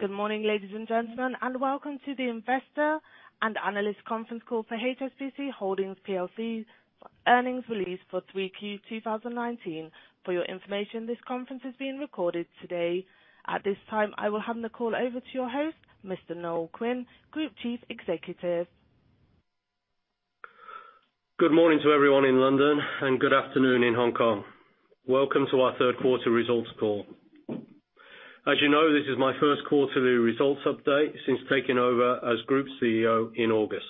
Good morning, ladies and gentlemen, welcome to the Investor and Analyst Conference Call for HSBC Holdings PLC Earnings Release for 3Q 2019. For your information, this conference is being recorded today. At this time, I will hand the call over to your host, Mr. Noel Quinn, Group Chief Executive. Good morning to everyone in London and good afternoon in Hong Kong. Welcome to our third quarter results call. As you know, this is my first quarterly results update since taking over as Group CEO in August.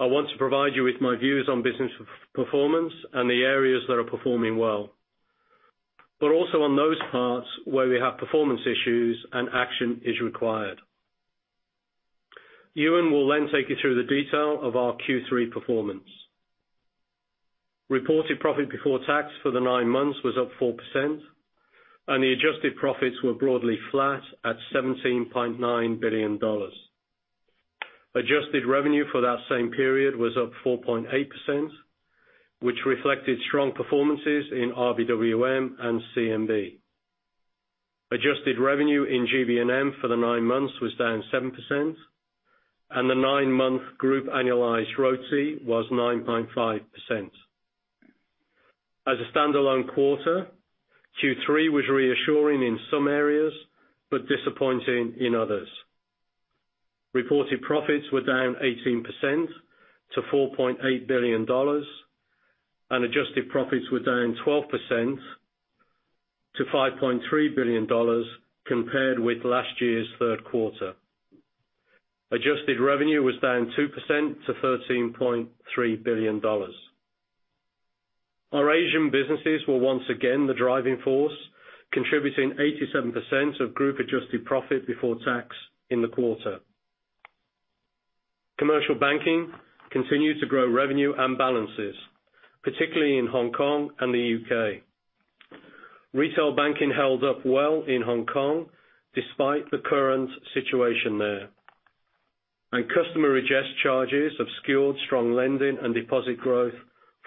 I want to provide you with my views on business performance and the areas that are performing well, also on those parts where we have performance issues and action is required. Ewen will take you through the detail of our Q3 performance. Reported profit before tax for the nine months was up 4%, the adjusted profits were broadly flat at $17.9 billion. Adjusted revenue for that same period was up 4.8%, which reflected strong performances in RBWM and CMB. Adjusted revenue in GB&M for the nine months was down 7%, the nine-month group annualized ROTCE was 9.5%. As a standalone quarter, Q3 was reassuring in some areas, but disappointing in others. Reported profits were down 18% to $4.8 billion and adjusted profits were down 12% to $5.3 billion compared with last year's third quarter. Adjusted revenue was down 2% to $13.3 billion. Our Asian businesses were once again the driving force, contributing 87% of group-adjusted profit before tax in the quarter. Commercial banking continued to grow revenue and balances, particularly in Hong Kong and the U.K. Retail banking held up well in Hong Kong despite the current situation there. Customer redress charges obscured strong lending and deposit growth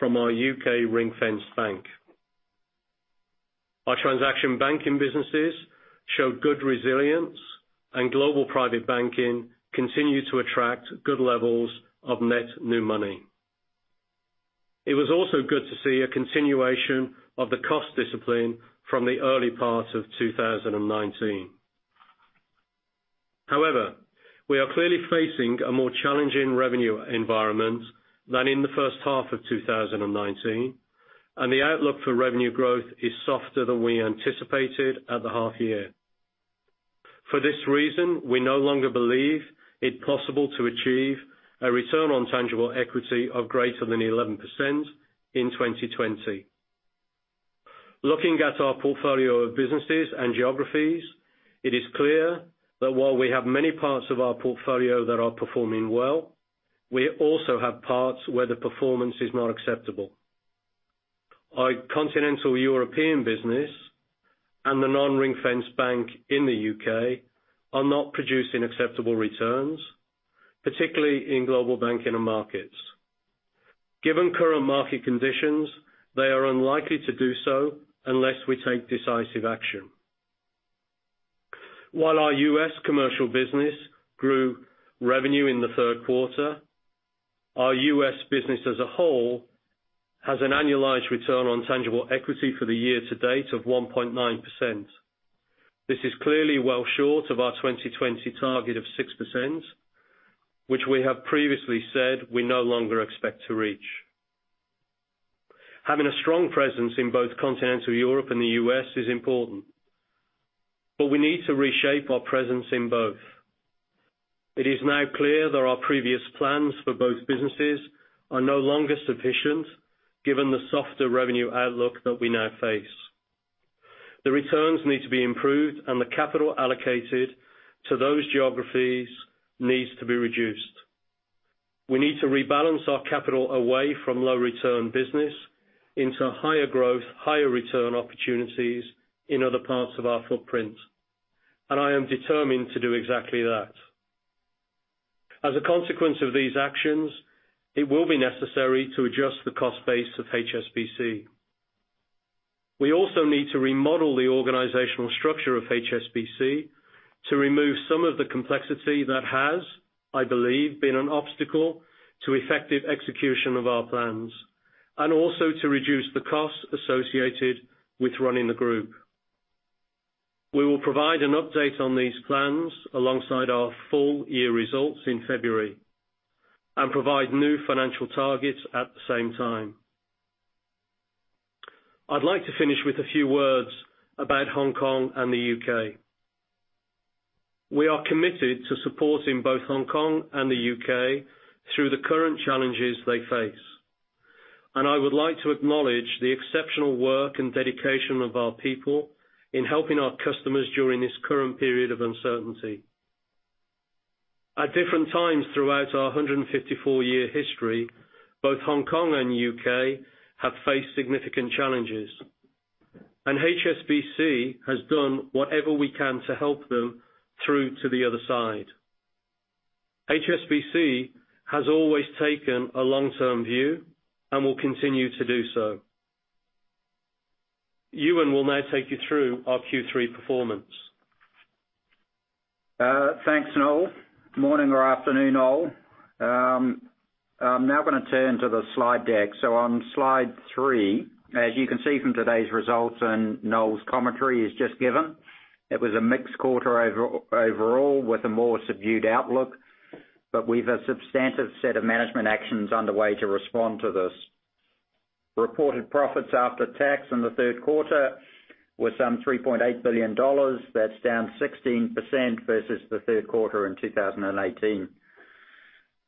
from our U.K. ring-fenced bank. Our transaction banking businesses showed good resilience, and global private banking continued to attract good levels of net new money. It was also good to see a continuation of the cost discipline from the early part of 2019. We are clearly facing a more challenging revenue environment than in the first half of 2019, and the outlook for revenue growth is softer than we anticipated at the half year. We no longer believe it possible to achieve a return on tangible equity of greater than 11% in 2020. Looking at our portfolio of businesses and geographies, it is clear that while we have many parts of our portfolio that are performing well, we also have parts where the performance is not acceptable. Our continental European business and the non-ring-fenced bank in the U.K. are not producing acceptable returns, particularly in Global Banking and Markets. Given current market conditions, they are unlikely to do so unless we take decisive action. While our U.S. commercial business grew revenue in the third quarter, our U.S. business as a whole has an annualized return on tangible equity for the year to date of 1.9%. This is clearly well short of our 2020 target of 6%, which we have previously said we no longer expect to reach. Having a strong presence in both continental Europe and the U.S. is important, but we need to reshape our presence in both. It is now clear that our previous plans for both businesses are no longer sufficient given the softer revenue outlook that we now face. The returns need to be improved and the capital allocated to those geographies needs to be reduced. We need to rebalance our capital away from low-return business into higher growth, higher return opportunities in other parts of our footprint. I am determined to do exactly that. As a consequence of these actions, it will be necessary to adjust the cost base of HSBC. We also need to remodel the organizational structure of HSBC to remove some of the complexity that has, I believe, been an obstacle to effective execution of our plans, and also to reduce the costs associated with running the group. We will provide an update on these plans alongside our full-year results in February and provide new financial targets at the same time. I'd like to finish with a few words about Hong Kong and the U.K. We are committed to supporting both Hong Kong and the U.K. through the current challenges they face, and I would like to acknowledge the exceptional work and dedication of our people in helping our customers during this current period of uncertainty. At different times throughout our 154-year history, both Hong Kong and U.K. have faced significant challenges, and HSBC has done whatever we can to help them through to the other side. HSBC has always taken a long-term view and will continue to do so. Ewen will now take you through our Q3 performance. Thanks, Noel. Morning or afternoon, all. I'm now going to turn to the slide deck. On Slide three, as you can see from today's results and Noel's commentary he's just given, it was a mixed quarter overall with a more subdued outlook. We've a substantive set of management actions underway to respond to this. Reported profits after tax in the third quarter were some $3.8 billion. That's down 16% versus the third quarter in 2018.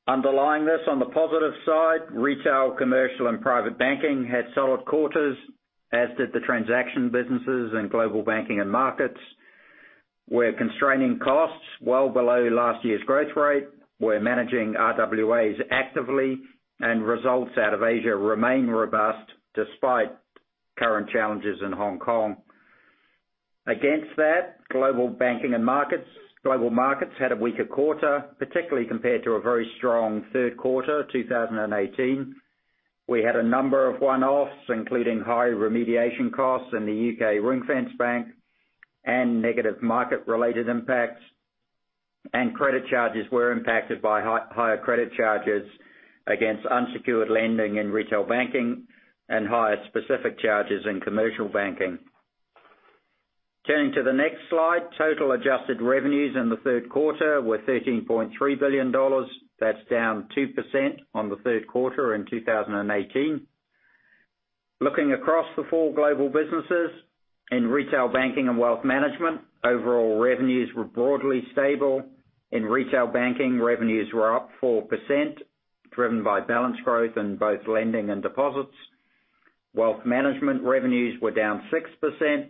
Underlying this on the positive side, retail, commercial, and private banking had solid quarters, as did the transaction businesses in global banking and markets. We're constraining costs well below last year's growth rate. We're managing RWAs actively and results out of Asia remain robust despite current challenges in Hong Kong. Against that, global banking and markets, global markets had a weaker quarter, particularly compared to a very strong third quarter 2018. We had a number of one-offs, including high remediation costs in the UK ring-fenced bank and negative market-related impacts. Credit charges were impacted by higher credit charges against unsecured lending in retail banking and higher specific charges in commercial banking. Turning to the next slide. Total adjusted revenues in the third quarter were $13.3 billion. That's down 2% on the third quarter in 2018. Looking across the four global businesses in retail banking and wealth management, overall revenues were broadly stable. In retail banking, revenues were up 4%, driven by balance growth in both lending and deposits. Wealth management revenues were down 6%,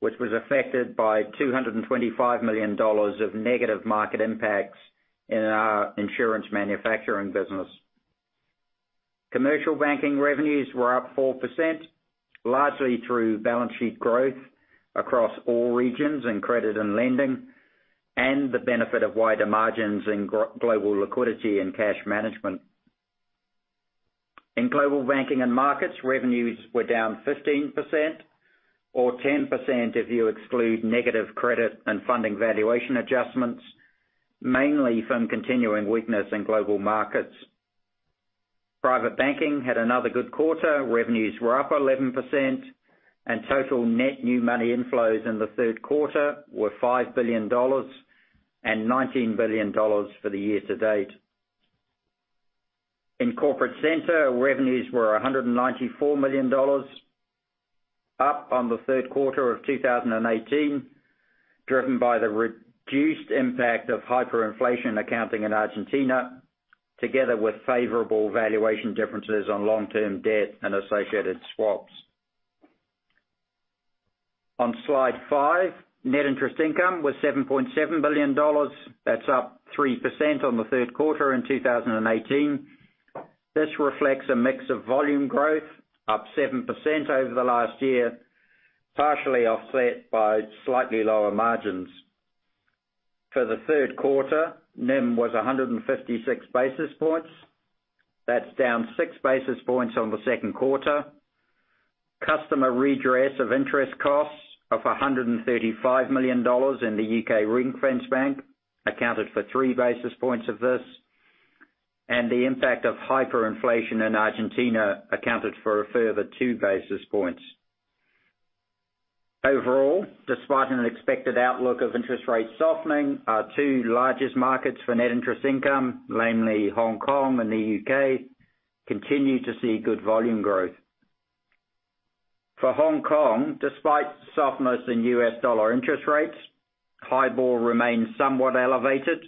which was affected by $225 million of negative market impacts in our insurance manufacturing business. Commercial banking revenues were up 4%, largely through balance sheet growth across all regions in credit and lending, and the benefit of wider margins in Global Liquidity and Cash Management. In Global Banking and Markets, revenues were down 15% or 10% if you exclude negative credit and funding valuation adjustments, mainly from continuing weakness in Global Markets. Private Banking had another good quarter. Revenues were up 11% and total net new money inflows in the third quarter were $5 billion and $19 billion for the year to date. In Corporate Center, revenues were $194 million, up on the third quarter of 2018, driven by the reduced impact of hyperinflation accounting in Argentina, together with favorable valuation differences on long-term debt and associated swaps. On Slide five, net interest income was $7.7 billion. That's up 3% on the third quarter in 2018. This reflects a mix of volume growth up 7% over the last year, partially offset by slightly lower margins. For the third quarter, NIM was 156 basis points. That's down six basis points on the second quarter. Customer redress of interest costs of $135 million in the U.K. ring-fenced bank accounted for three basis points of this. The impact of hyperinflation in Argentina accounted for a further two basis points. Overall, despite an expected outlook of interest rates softening, our two largest markets for net interest income, namely Hong Kong and the U.K., continue to see good volume growth. For Hong Kong, despite softness in US dollar interest rates, HIBOR remains somewhat elevated,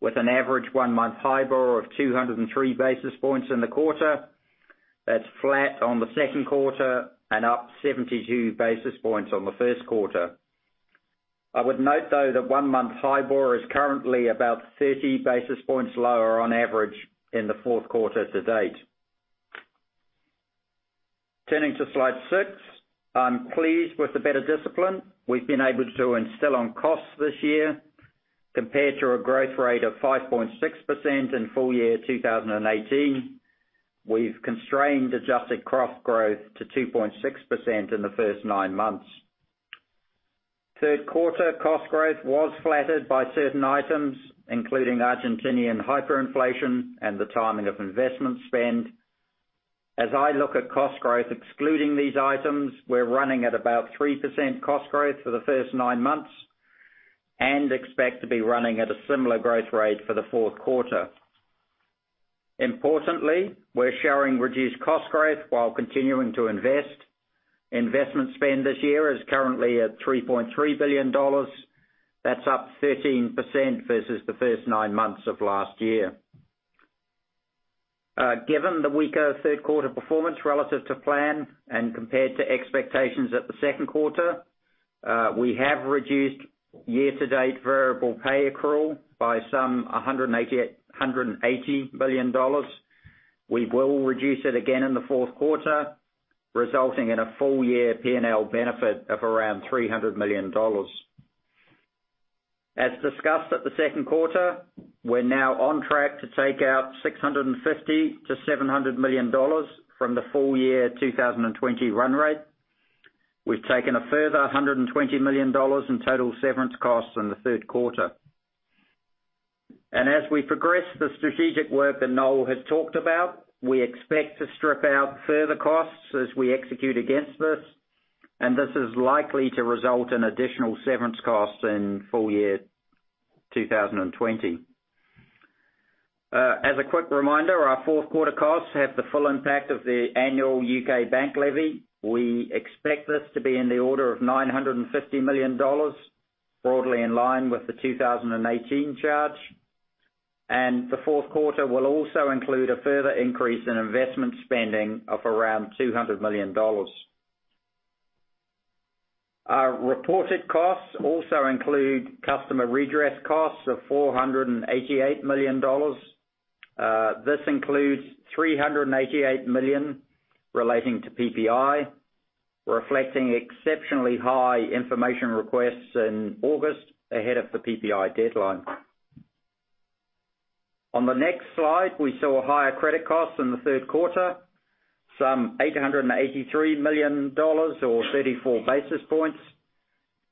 with an average one-month HIBOR of 203 basis points in the quarter. That's flat on the second quarter and up 72 basis points on the first quarter. I would note, though, that one-month HIBOR is currently about 30 basis points lower on average in the fourth quarter to date. Turning to Slide six, I'm pleased with the better discipline we've been able to instill on costs this year. Compared to a growth rate of 5.6% in full year 2018, we've constrained adjusted cost growth to 2.6% in the first nine months. Third quarter cost growth was flattered by certain items, including Argentinian hyperinflation and the timing of investment spend. As I look at cost growth, excluding these items, we're running at about 3% cost growth for the first nine months and expect to be running at a similar growth rate for the fourth quarter. Importantly, we're showing reduced cost growth while continuing to invest. Investment spend this year is currently at $3.3 billion. That's up 13% versus the first nine months of last year. Given the weaker third quarter performance relative to plan and compared to expectations at the second quarter, we have reduced year-to-date variable pay accrual by some $180 million. We will reduce it again in the fourth quarter, resulting in a full year P&L benefit of around $300 million. As discussed at the second quarter, we're now on track to take out $650 to $700 million from the full year 2020 run rate. We've taken a further $120 million in total severance costs in the third quarter. As we progress the strategic work that Noel has talked about, we expect to strip out further costs as we execute against this, and this is likely to result in additional severance costs in full year 2020. As a quick reminder, our fourth quarter costs have the full impact of the annual U.K. bank levy. We expect this to be in the order of $950 million, broadly in line with the 2018 charge. The fourth quarter will also include a further increase in investment spending of around $200 million. Our reported costs also include customer redress costs of $488 million. This includes $388 million relating to PPI, reflecting exceptionally high information requests in August ahead of the PPI deadline. On the next slide, we saw higher credit costs in the third quarter, some $883 million or 34 basis points.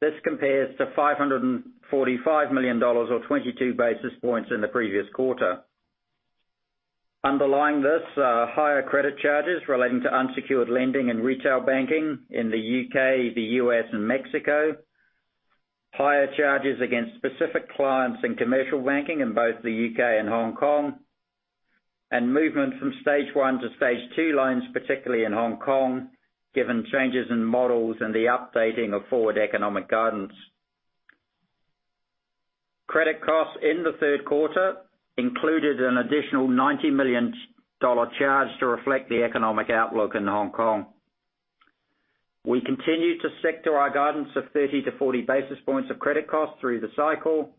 This compares to $545 million or 22 basis points in the previous quarter. Underlying this are higher credit charges relating to unsecured lending in retail banking in the U.K., the U.S., and Mexico. Higher charges against specific clients in commercial banking in both the U.K. and Hong Kong, and movement from Stage 1 to Stage 2 loans, particularly in Hong Kong, given changes in models and the updating of forward economic guidance. Credit costs in the third quarter included an additional $90 million charge to reflect the economic outlook in Hong Kong. We continue to stick to our guidance of 30-40 basis points of credit costs through the cycle.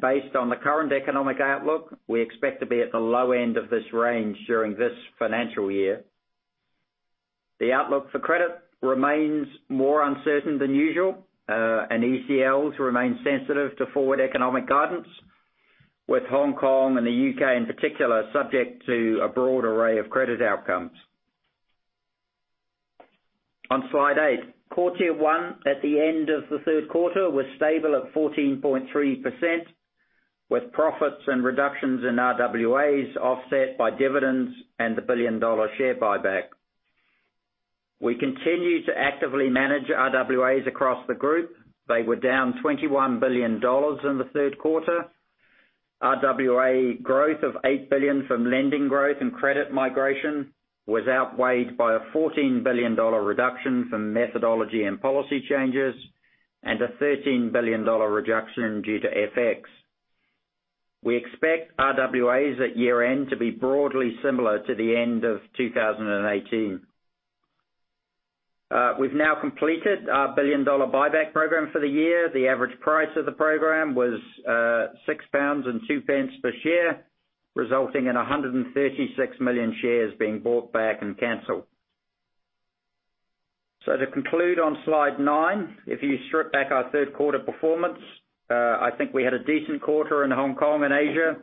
Based on the current economic outlook, we expect to be at the low end of this range during this financial year. The outlook for credit remains more uncertain than usual, and ECLs remain sensitive to forward economic guidance, with Hong Kong and the U.K. in particular, subject to a broad array of credit outcomes. On slide eight, Core Tier 1 at the end of the third quarter was stable at 14.3%, with profits and reductions in RWAs offset by dividends and the billion-dollar share buyback. We continue to actively manage RWAs across the group. They were down $21 billion in the third quarter. RWA growth of $8 billion from lending growth and credit migration was outweighed by a $14 billion reduction from methodology and policy changes, and a $13 billion reduction due to FX. We expect RWAs at year-end to be broadly similar to the end of 2018. We've now completed our billion-dollar buyback program for the year. The average price of the program was 6.02 pounds per share, resulting in 136 million shares being bought back and canceled. To conclude on slide nine, if you strip back our third quarter performance, I think we had a decent quarter in Hong Kong and Asia,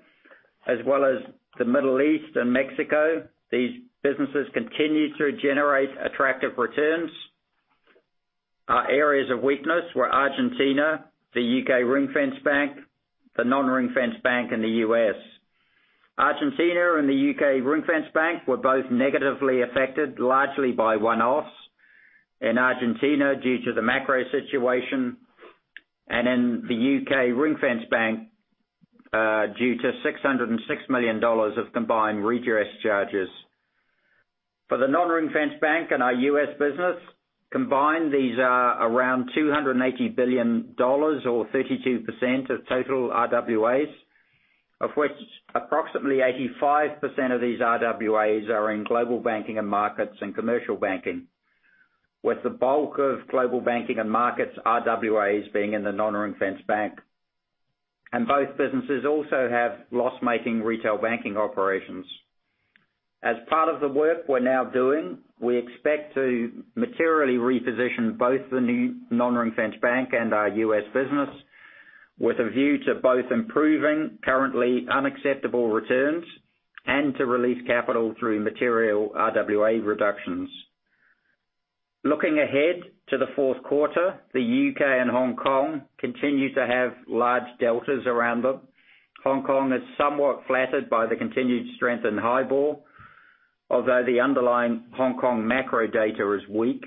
as well as the Middle East and Mexico. These businesses continue to generate attractive returns. Our areas of weakness were Argentina, the U.K. ring-fenced bank, the non-Ring-Fence bank in the U.S. Argentina and the U.K. ring-fenced bank were both negatively affected, largely by one-offs. In Argentina, due to the macro situation, and in the U.K. ring-fenced bank, due to $606 million of combined redress charges. For the non-Ring-Fence bank and our U.S. business, combined, these are around $280 billion or 32% of total RWAs, of which approximately 85% of these RWAs are in Global Banking and Markets and Commercial Banking, with the bulk of Global Banking and Markets RWAs being in the non-Ring-Fence bank. Both businesses also have loss-making Retail Banking operations. As part of the work we're now doing, we expect to materially reposition both the new non-ring-fenced bank and our U.S. business with a view to both improving currently unacceptable returns and to release capital through material RWA reductions. Looking ahead to the fourth quarter, the U.K. and Hong Kong continue to have large deltas around them. Hong Kong is somewhat flattered by the continued strength in HIBOR, although the underlying Hong Kong macro data is weak,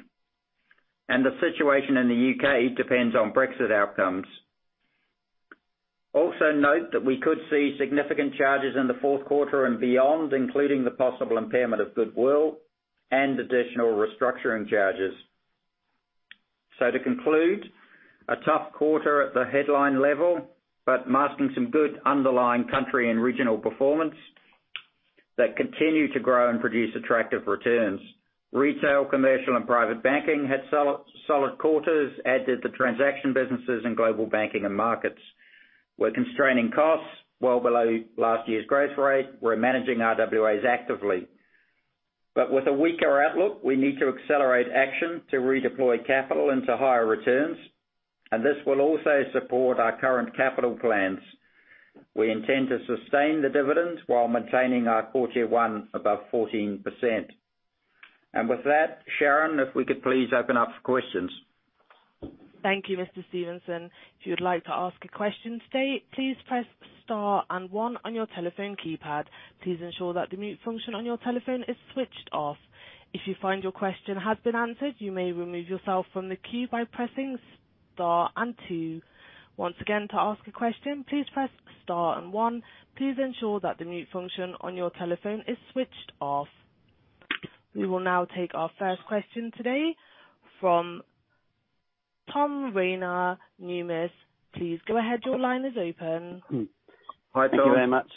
and the situation in the U.K. depends on Brexit outcomes. Also note that we could see significant charges in the fourth quarter and beyond, including the possible impairment of goodwill and additional restructuring charges. To conclude, a tough quarter at the headline level, but masking some good underlying country and regional performance that continue to grow and produce attractive returns. Retail, commercial, and private banking had solid quarters, as did the transaction businesses in Global Banking and Markets. We're constraining costs well below last year's growth rate. We're managing our RWAs actively. With a weaker outlook, we need to accelerate action to redeploy capital into higher returns, and this will also support our current capital plans. We intend to sustain the dividends while maintaining our quarter one above 14%. With that, Sharon, if we could please open up for questions. Thank you, Mr. Stevenson. If you would like to ask a question today, please press Star and One on your telephone keypad. Please ensure that the mute function on your telephone is switched off. If you find your question has been answered, you may remove yourself from the queue by pressing Star and Two. Once again, to ask a question, please press Star and One. Please ensure that the mute function on your telephone is switched off. We will now take our first question today from Tom Rayner, Numis. Please go ahead. Your line is open. Hi, Tom. Thank you very much.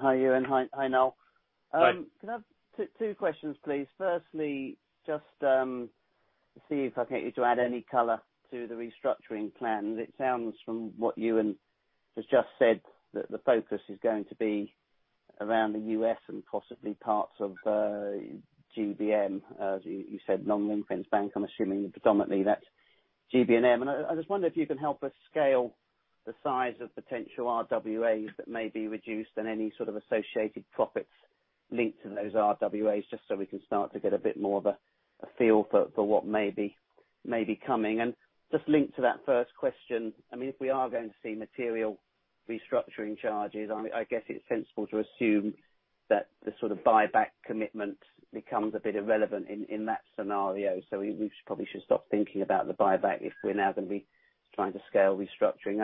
Hi, Ewen. Hi, Noel. Hi. Can I have two questions, please? Firstly, just to see if I can get you to add any color to the restructuring plan. It sounds from what Ewen has just said, that the focus is going to be around the U.S. and possibly parts of GBM. As you said, non-ring-fenced bank, I am assuming predominantly that is GBM. I just wonder if you can help us scale the size of potential RWAs that may be reduced and any sort of associated profits linked to those RWAs, just so we can start to get a bit more of a feel for what may be coming. Just linked to that first question, if we are going to see material restructuring charges, I guess it is sensible to assume that the sort of buyback commitment becomes a bit irrelevant in that scenario. We probably should stop thinking about the buyback if we're now going to be trying to scale restructuring.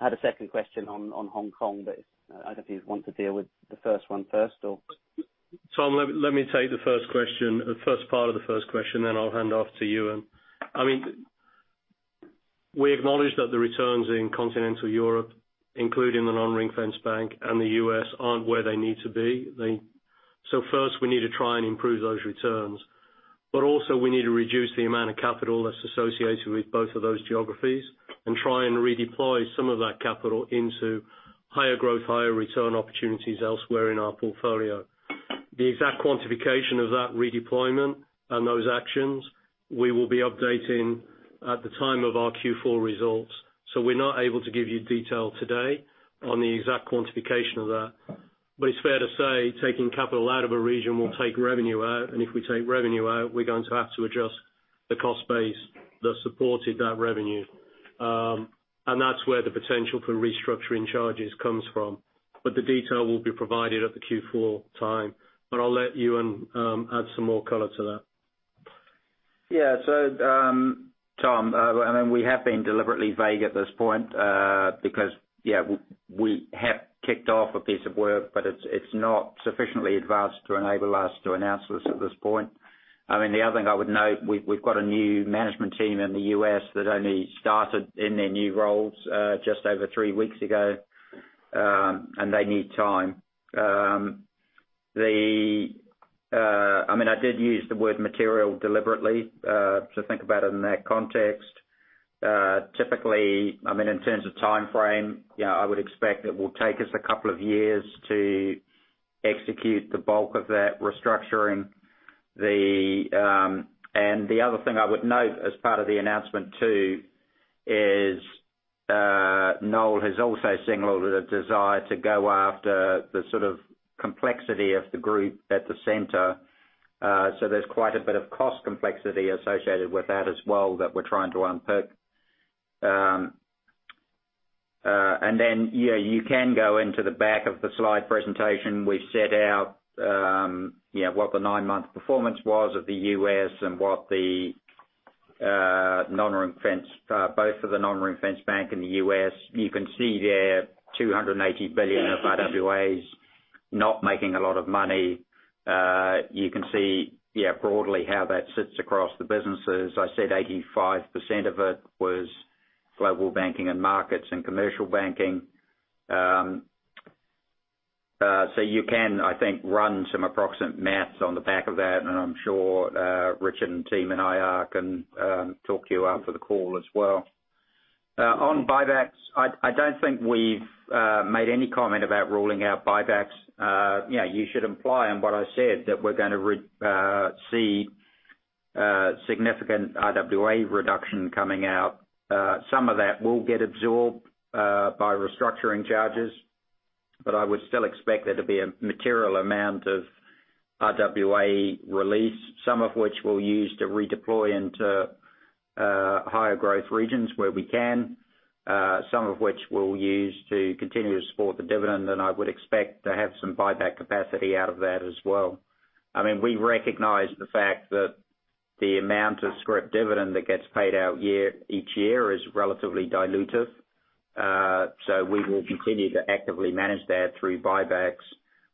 I had a second question on Hong Kong, but I don't know if you want to deal with the first one first or Tom, let me take the first part of the first question then I'll hand off to Ewen. We acknowledge that the returns in continental Europe, including the non-ring-fenced bank and the U.S., aren't where they need to be. First, we need to try and improve those returns. Also we need to reduce the amount of capital that's associated with both of those geographies and try and redeploy some of that capital into higher growth, higher return opportunities elsewhere in our portfolio. The exact quantification of that redeployment and those actions, we will be updating at the time of our Q4 results. We're not able to give you detail today on the exact quantification of that. It's fair to say, taking capital out of a region will take revenue out, and if we take revenue out, we're going to have to adjust the cost base that supported that revenue. That's where the potential for restructuring charges comes from. The detail will be provided at the Q4 time. I'll let Ewen add some more color to that. Yeah Tom. We have been deliberately vague at this point, because we have kicked off a piece of work, but it's not sufficiently advanced to enable us to announce this at this point. The other thing I would note, we've got a new management team in the U.S. that only started in their new roles just over three weeks ago, and they need time. I did use the word material deliberately, so think about it in that context. Typically, in terms of timeframe, I would expect it will take us a couple of years to execute the bulk of that restructuring. The other thing I would note as part of the announcement too, is Noel has also signaled a desire to go after the complexity of the group at the center. There's quite a bit of cost complexity associated with that as well that we're trying to unpick. You can go into the back of the slide presentation. We've set out what the nine-month performance was of the U.S. and both of the non-ring-fenced bank in the U.S. You can see there $280 billion of RWAs not making a lot of money. You can see broadly how that sits across the businesses. I said 85% of it was global banking and markets and commercial banking. You can, I think, run some approximate math on the back of that, and I'm sure Richard and team and I can talk you out for the call as well. On buybacks, I don't think we've made any comment about ruling out buybacks. You should imply on what I said, that we're going to see significant RWA reduction coming out. Some of that will get absorbed by restructuring charges, but I would still expect there to be a material amount of RWA release. Some of which we'll use to redeploy into higher growth regions where we can. Some of which we'll use to continue to support the dividend, and I would expect to have some buyback capacity out of that as well. We recognize the fact that the amount of scrip dividend that gets paid out each year is relatively dilutive. We will continue to actively manage that through buybacks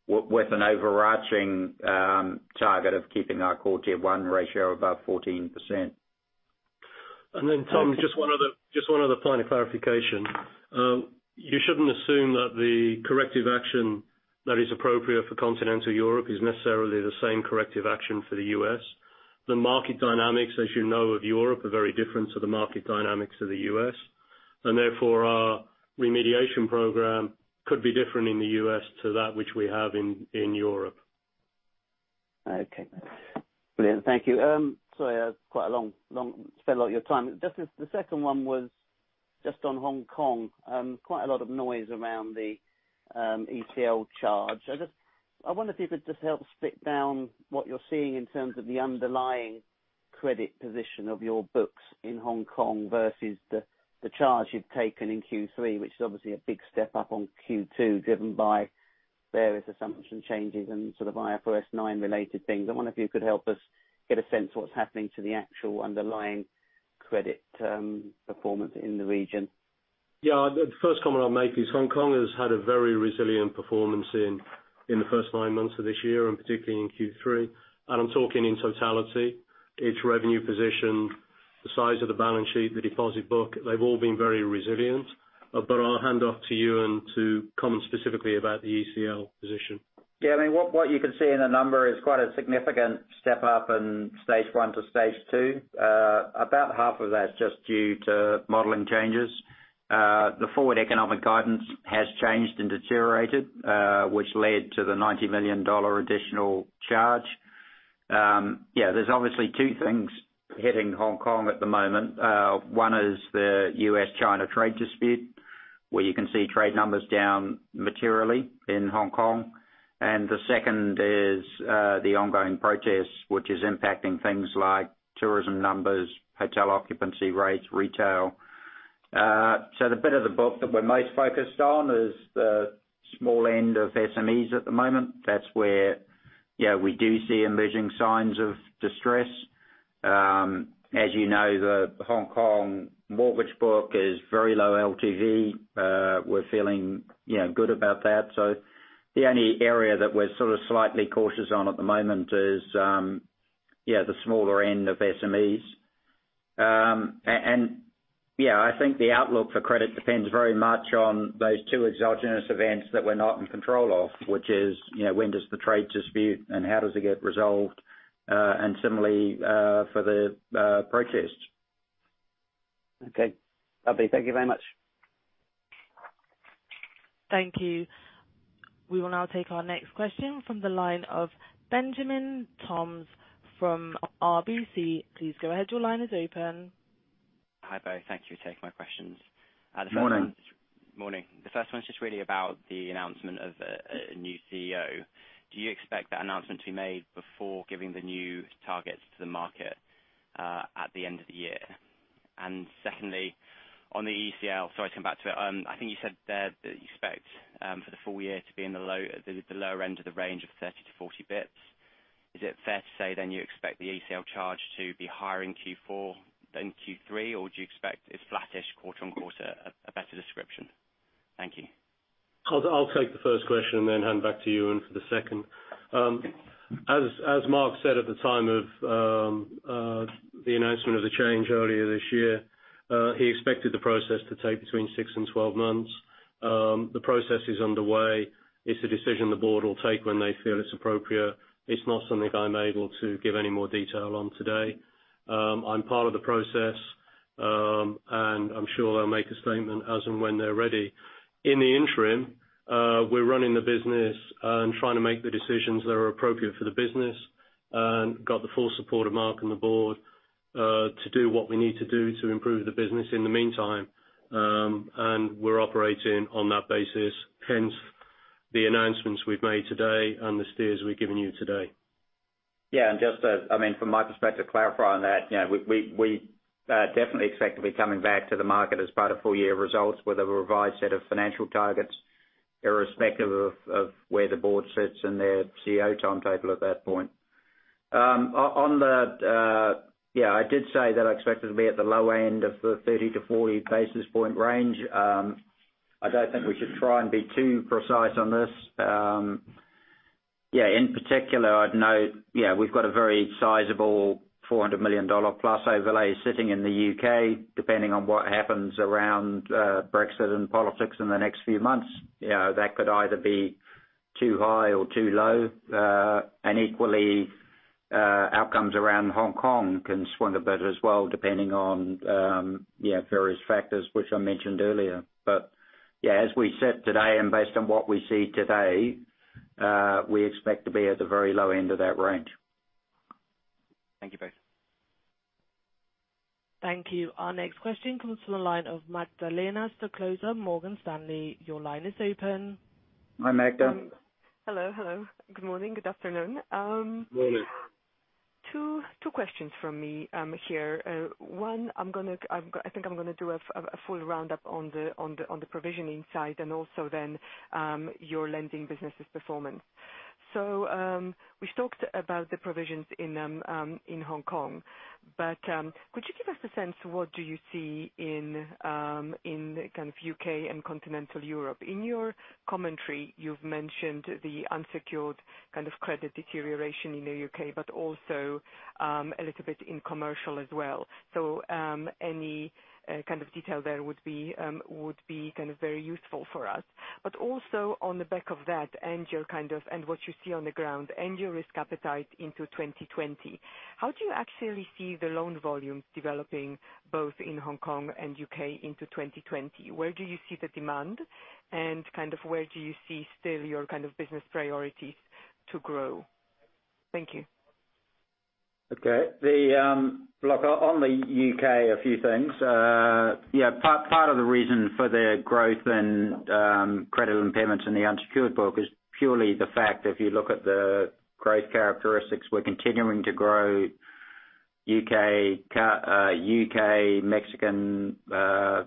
with an overarching target of keeping our core Tier 1 ratio above 14%. Tom, just one other point of clarification. You shouldn't assume that the corrective action that is appropriate for continental Europe is necessarily the same corrective action for the U.S. The market dynamics, as you know, of Europe are very different to the market dynamics of the U.S., and therefore our remediation program could be different in the U.S. to that which we have in Europe. Okay. Brilliant. Thank you. Sorry, I've spent a lot of your time. The second one was just on Hong Kong. Quite a lot of noise around the ECL charge. I wonder if you could just help split down what you're seeing in terms of the underlying credit position of your books in Hong Kong versus the charge you've taken in Q3, which is obviously a big step up on Q2, driven by various assumption changes and sort of IFRS 9 related things. I wonder if you could help us get a sense of what's happening to the actual underlying credit performance in the region. Yeah. The first comment I'll make is Hong Kong has had a very resilient performance in the first nine months of this year, and particularly in Q3. I'm talking in totality, its revenue position, the size of the balance sheet, the deposit book, they've all been very resilient. I'll hand off to Ewen to comment specifically about the ECL position. What you can see in the number is quite a significant step up in Stage 1 to Stage 2. About half of that's just due to modeling changes. The forward economic guidance has changed and deteriorated, which led to the $90 million additional charge. There's obviously two things hitting Hong Kong at the moment. One is the U.S.-China trade dispute, where you can see trade numbers down materially in Hong Kong, and the second is the ongoing protests, which is impacting things like tourism numbers, hotel occupancy rates, retail. The bit of the book that we're most focused on is the small end of SMEs at the moment. That's where we do see emerging signs of distress. As you know, the Hong Kong mortgage book is very low LTV. We're feeling good about that. The only area that we're sort of slightly cautious on at the moment is the smaller end of SMEs. I think the outlook for credit depends very much on those two exogenous events that we're not in control of, which is, when does the trade dispute, and how does it get resolved? Similarly, for the protests. Okay. Lovely. Thank you very much. Thank you. We will now take our next question from the line of Benjamin Toms from RBC. Please go ahead. Your line is open. Hi, both. Thank you for taking my questions. Morning. Morning. The first one is just really about the announcement of a new CEO. Do you expect that announcement to be made before giving the new targets to the market at the end of the year? Secondly, on the ECL, sorry to come back to it, I think you said there that you expect for the full year to be in the lower end of the range of 30 to 40 bps. Is it fair to say then you expect the ECL charge to be higher in Q4 than Q3, or do you expect it's flattish quarter-on-quarter, a better description? Thank you. I'll take the first question and then hand back to you, Ewen, for the second. As Mark said at the time of the announcement of the change earlier this year, he expected the process to take between six and 12 months. The process is underway. It's a decision the board will take when they feel it's appropriate. It's not something I'm able to give any more detail on today. I'm part of the process, and I'm sure they'll make a statement as and when they're ready. In the interim, we're running the business and trying to make the decisions that are appropriate for the business, and got the full support of Mark and the board to do what we need to do to improve the business in the meantime. We're operating on that basis, hence the announcements we've made today and the steers we've given you today. Yeah, just from my perspective, clarify on that. We definitely expect to be coming back to the market as part of full-year results with a revised set of financial targets, irrespective of where the board sits in their CEO timetable at that point. I did say that I expected to be at the low end of the 30 to 40 basis point range. I don't think we should try and be too precise on this. In particular, we've got a very sizable $400 million+overlay sitting in the U.K. Depending on what happens around Brexit and politics in the next few months, that could either be too high or too low. Equally, outcomes around Hong Kong can swing a bit as well, depending on various factors which I mentioned earlier. As we said today and based on what we see today, we expect to be at the very low end of that range. Thank you both. Thank you. Our next question comes from the line of Magdalena Stoklosa, Morgan Stanley. Your line is open. Hi, Magda. Hello. Good morning. Good afternoon. Morning. Two questions from me here. One, I think I'm going to do a full roundup on the provisioning side and also then your lending business' performance. We've talked about the provisions in Hong Kong, but could you give us a sense what do you see in kind of U.K. and continental Europe? In your commentary, you've mentioned the unsecured kind of credit deterioration in the U.K., but also a little bit in commercial as well. Any kind of detail there would be very useful for us. Also on the back of that, and what you see on the ground, and your risk appetite into 2020, how do you actually see the loan volumes developing both in Hong Kong and U.K. into 2020? Where do you see the demand, and where do you see still your business priorities to grow? Thank you. Okay. Look, on the U.K., a few things. Part of the reason for the growth in credit impairments in the unsecured book is purely the fact, if you look at the growth characteristics, we're continuing to grow U.K., Mexican,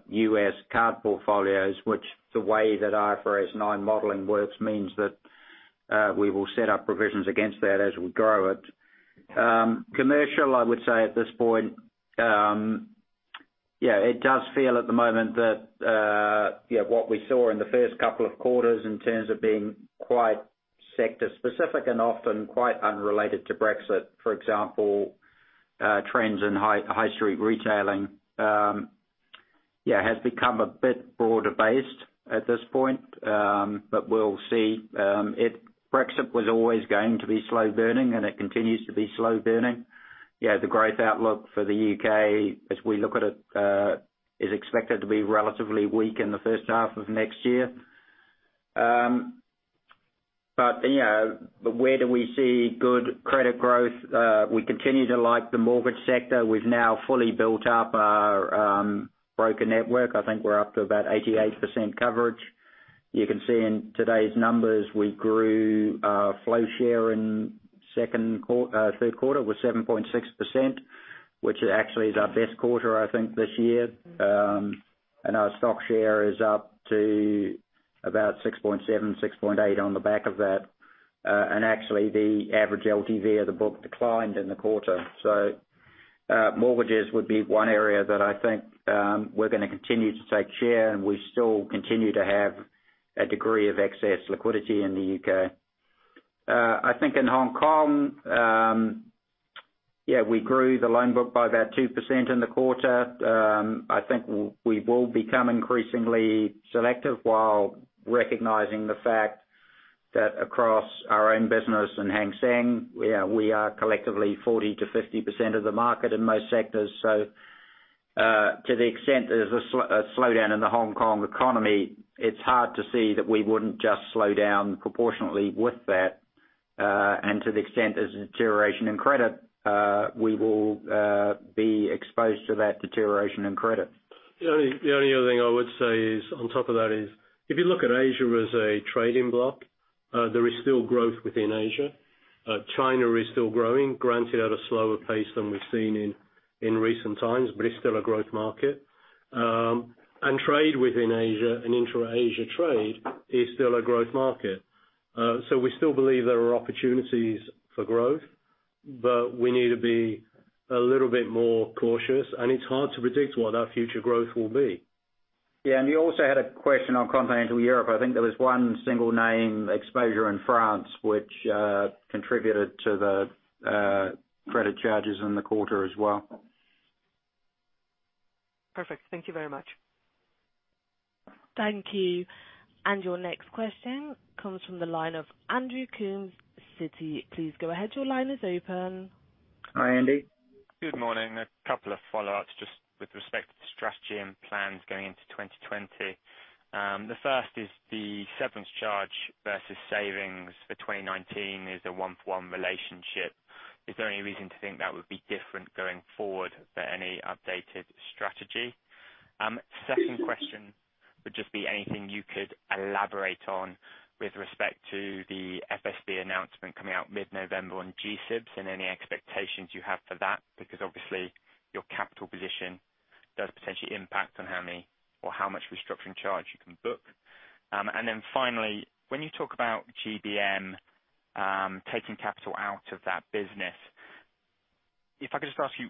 U.S. card portfolios, which the way that IFRS 9 modeling works means that we will set up provisions against that as we grow it. Commercial, I would say at this point, it does feel at the moment that what we saw in the first couple of quarters in terms of being quite sector-specific and often quite unrelated to Brexit, for example, trends in high street retailing, has become a bit broader based at this point. We'll see. Brexit was always going to be slow burning, and it continues to be slow burning. The growth outlook for the U.K., as we look at it, is expected to be relatively weak in the first half of next year. Where do we see good credit growth? We continue to like the mortgage sector. We've now fully built up our broker network. I think we're up to about 88% coverage. You can see in today's numbers, we grew flow share in 3Q was 7.6%, which actually is our best quarter, I think, this year. Our stock share is up to about 6.7, 6.8 on the back of that. Actually, the average LTV of the book declined in the quarter. Mortgages would be one area that I think we're going to continue to take share, and we still continue to have a degree of excess liquidity in the U.K. I think in Hong Kong, we grew the loan book by about 2% in the quarter. I think we will become increasingly selective while recognizing the fact that across our own business in Hang Seng, we are collectively 40%-50% of the market in most sectors. To the extent there's a slowdown in the Hong Kong economy, it's hard to see that we wouldn't just slow down proportionately with that. To the extent there's a deterioration in credit, we will be exposed to that deterioration in credit. The only other thing I would say on top of that is, if you look at Asia as a trading block, there is still growth within Asia. China is still growing, granted at a slower pace than we've seen in recent times, but it's still a growth market. Trade within Asia and intra-Asia trade is still a growth market. We still believe there are opportunities for growth, but we need to be a little bit more cautious, and it's hard to predict what our future growth will be. Yeah. You also had a question on Continental Europe. I think there was one single name exposure in France, which contributed to the credit charges in the quarter as well. Perfect. Thank you very much. Thank you. Your next question comes from the line of Andrew Coombs, Citi. Please go ahead. Your line is open. Hi, Andy. Good morning. A couple of follow-ups just with respect to strategy and plans going into 2020. The first is the severance charge versus savings for 2019 is a one-to-one relationship. Is there any reason to think that would be different going forward for any updated strategy? Second question would just be anything you could elaborate on with respect to the FSB announcement coming out mid-November on G-SIBs and any expectations you have for that, because obviously your capital position does potentially impact on how many or how much restructuring charge you can book. Then finally, when you talk about GBM taking capital out of that business, if I could just ask you,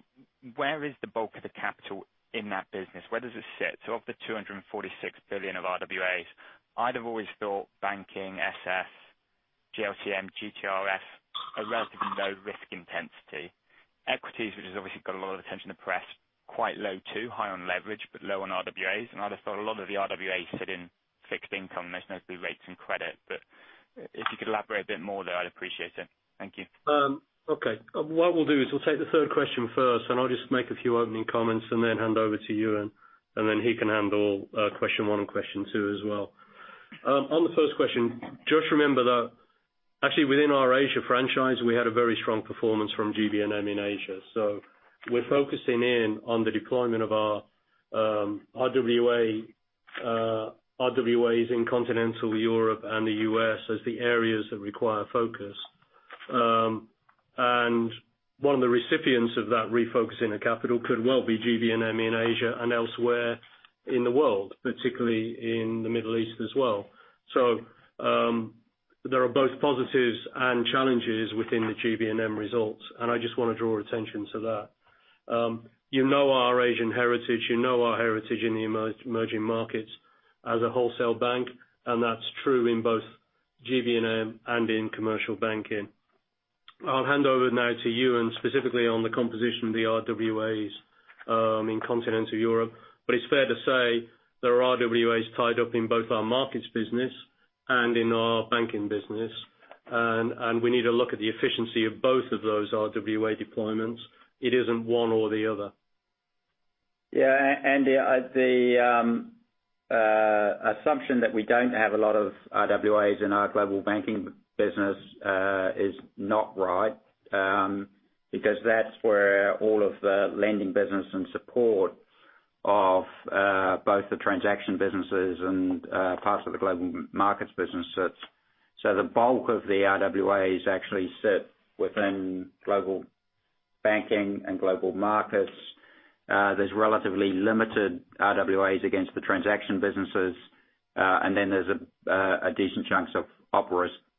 where is the bulk of the capital in that business? Where does it sit? Of the $246 billion of RWAs, I'd have always thought banking, SS, GLCM, GTRF, are relatively low risk intensity. Equities, which has obviously got a lot of attention to press, quite low, too. High on leverage, but low on RWAs. I'd have thought a lot of the RWAs sit in fixed income. There's mostly rates and credit. If you could elaborate a bit more there, I'd appreciate it. Thank you. Okay. What we'll do is we'll take the third question first, and I'll just make a few opening comments and then hand over to Ewen, and then he can handle question one and question two as well. On the first question, just remember that actually within our Asia franchise, we had a very strong performance from GB&M in Asia. We're focusing in on the deployment of our RWAs in Continental Europe and the U.S. as the areas that require focus. One of the recipients of that refocusing of capital could well be GB&M in Asia and elsewhere in the world, particularly in the Middle East as well. There are both positives and challenges within the GB&M results, and I just want to draw attention to that. You know our Asian heritage, you know our heritage in the emerging markets as a wholesale bank, and that's true in both GB&M and in commercial banking. I'll hand over now to Ewen, specifically on the composition of the RWAs in Continental Europe. It's fair to say there are RWAs tied up in both our markets business and in our banking business, and we need to look at the efficiency of both of those RWA deployments. It isn't one or the other. Andy, the assumption that we don't have a lot of RWAs in our global banking business is not right, because that's where all of the lending business and support of both the transaction businesses and parts of the global markets business sits. The bulk of the RWAs actually sit within global banking and global markets. There's relatively limited RWAs against the transaction businesses. There's a decent chunks of op risk there as well.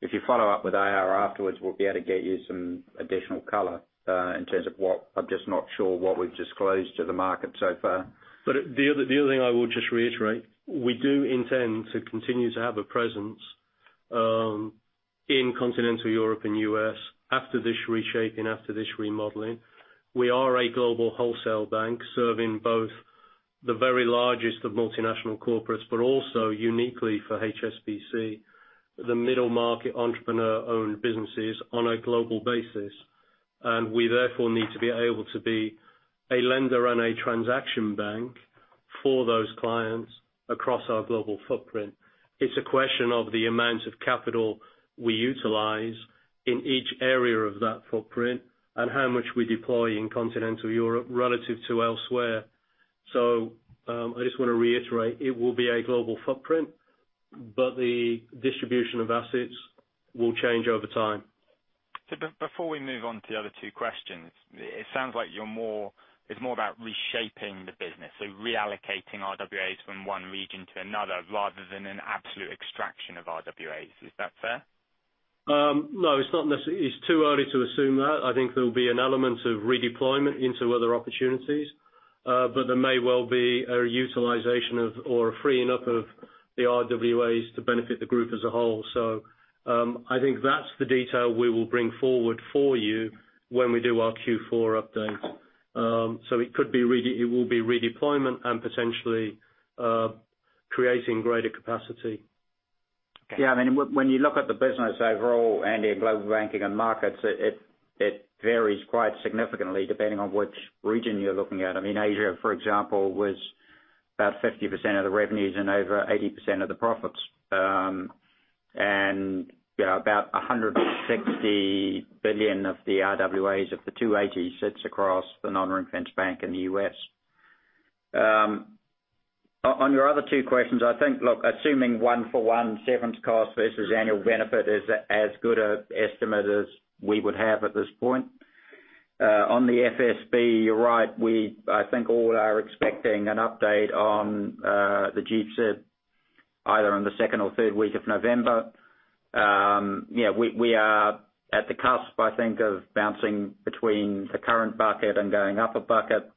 If you follow up with IR afterwards, we'll be able to get you some additional color in terms of what I'm just not sure what we've disclosed to the market so far. The other thing I will just reiterate, we do intend to continue to have a presence in Continental Europe and U.S. after this reshaping, after this remodeling. We are a global wholesale bank serving both the very largest of multinational corporates, but also uniquely for HSBC, the middle market entrepreneur-owned businesses on a global basis. We therefore need to be able to be a lender and a transaction bank for those clients across our global footprint. It's a question of the amount of capital we utilize in each area of that footprint and how much we deploy in Continental Europe relative to elsewhere. I just want to reiterate, it will be a global footprint, but the distribution of assets will change over time. Before we move on to the other two questions, it sounds like it's more about reshaping the business. Reallocating RWAs from one region to another rather than an absolute extraction of RWAs. Is that fair? It's too early to assume that. I think there'll be an element of redeployment into other opportunities. There may well be a utilization of or a freeing up of the RWAs to benefit the group as a whole. I think that's the detail we will bring forward for you when we do our Q4 update. It will be redeployment and potentially creating greater capacity. Yeah, when you look at the business overall, Andy, in Global Banking and Markets, it varies quite significantly depending on which region you're looking at. Asia, for example, was about 50% of the revenues and over 80% of the profits. About 160 billion of the RWAs of the 280 sits across the non-ring-fenced bank in the U.S. On your other two questions, I think, look, assuming one for one severance cost versus annual benefit is as good an estimate as we would have at this point. On the FSB, you're right, we, I think, all are expecting an update on the G-SIB either in the second or third week of November. We are at the cusp, I think, of bouncing between the current bucket and going up a bucket.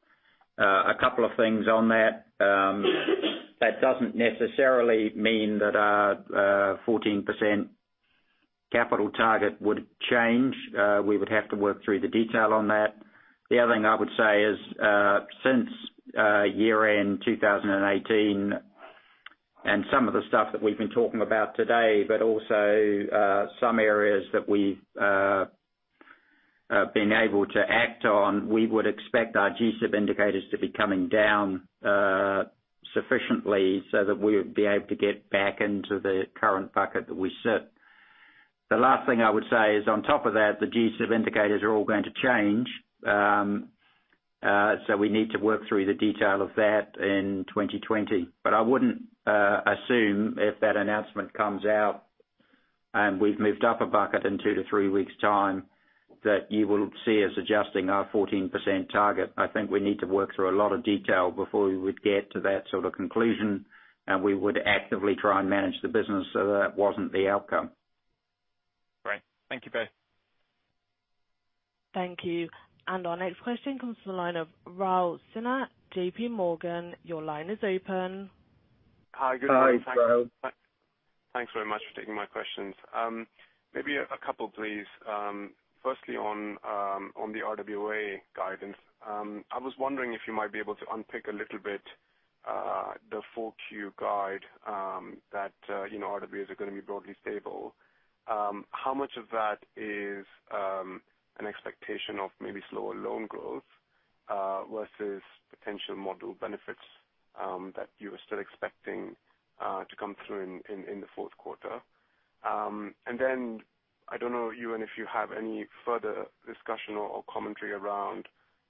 A couple of things on that. That doesn't necessarily mean that our 14% capital target would change. We would have to work through the detail on that. The other thing I would say is, since year-end 2018, and some of the stuff that we've been talking about today, but also some areas that we've been able to act on, we would expect our G-SIB indicators to be coming down sufficiently so that we'll be able to get back into the current bucket that we sit. The last thing I would say is, on top of that, the G-SIB indicators are all going to change. We need to work through the detail of that in 2020. I wouldn't assume if that announcement comes out and we've moved up a bucket in two to three weeks' time, that you will see us adjusting our 14% target. I think we need to work through a lot of detail before we would get to that sort of conclusion, and we would actively try and manage the business so that wasn't the outcome. Great. Thank you both. Thank you. Our next question comes from the line of Rahul Sinha, J.P. Morgan. Your line is open. Hi, good morning. Hi, Rahul. Thanks very much for taking my questions. Maybe a couple, please. Firstly, on the RWA guidance. I was wondering if you might be able to unpick a little bit the 4Q guide that RWAs are going to be broadly stable. How much of that is an expectation of maybe slower loan growth versus potential model benefits that you are still expecting to come through in the fourth quarter? I don't know, Ewen, if you have any further discussion or commentary around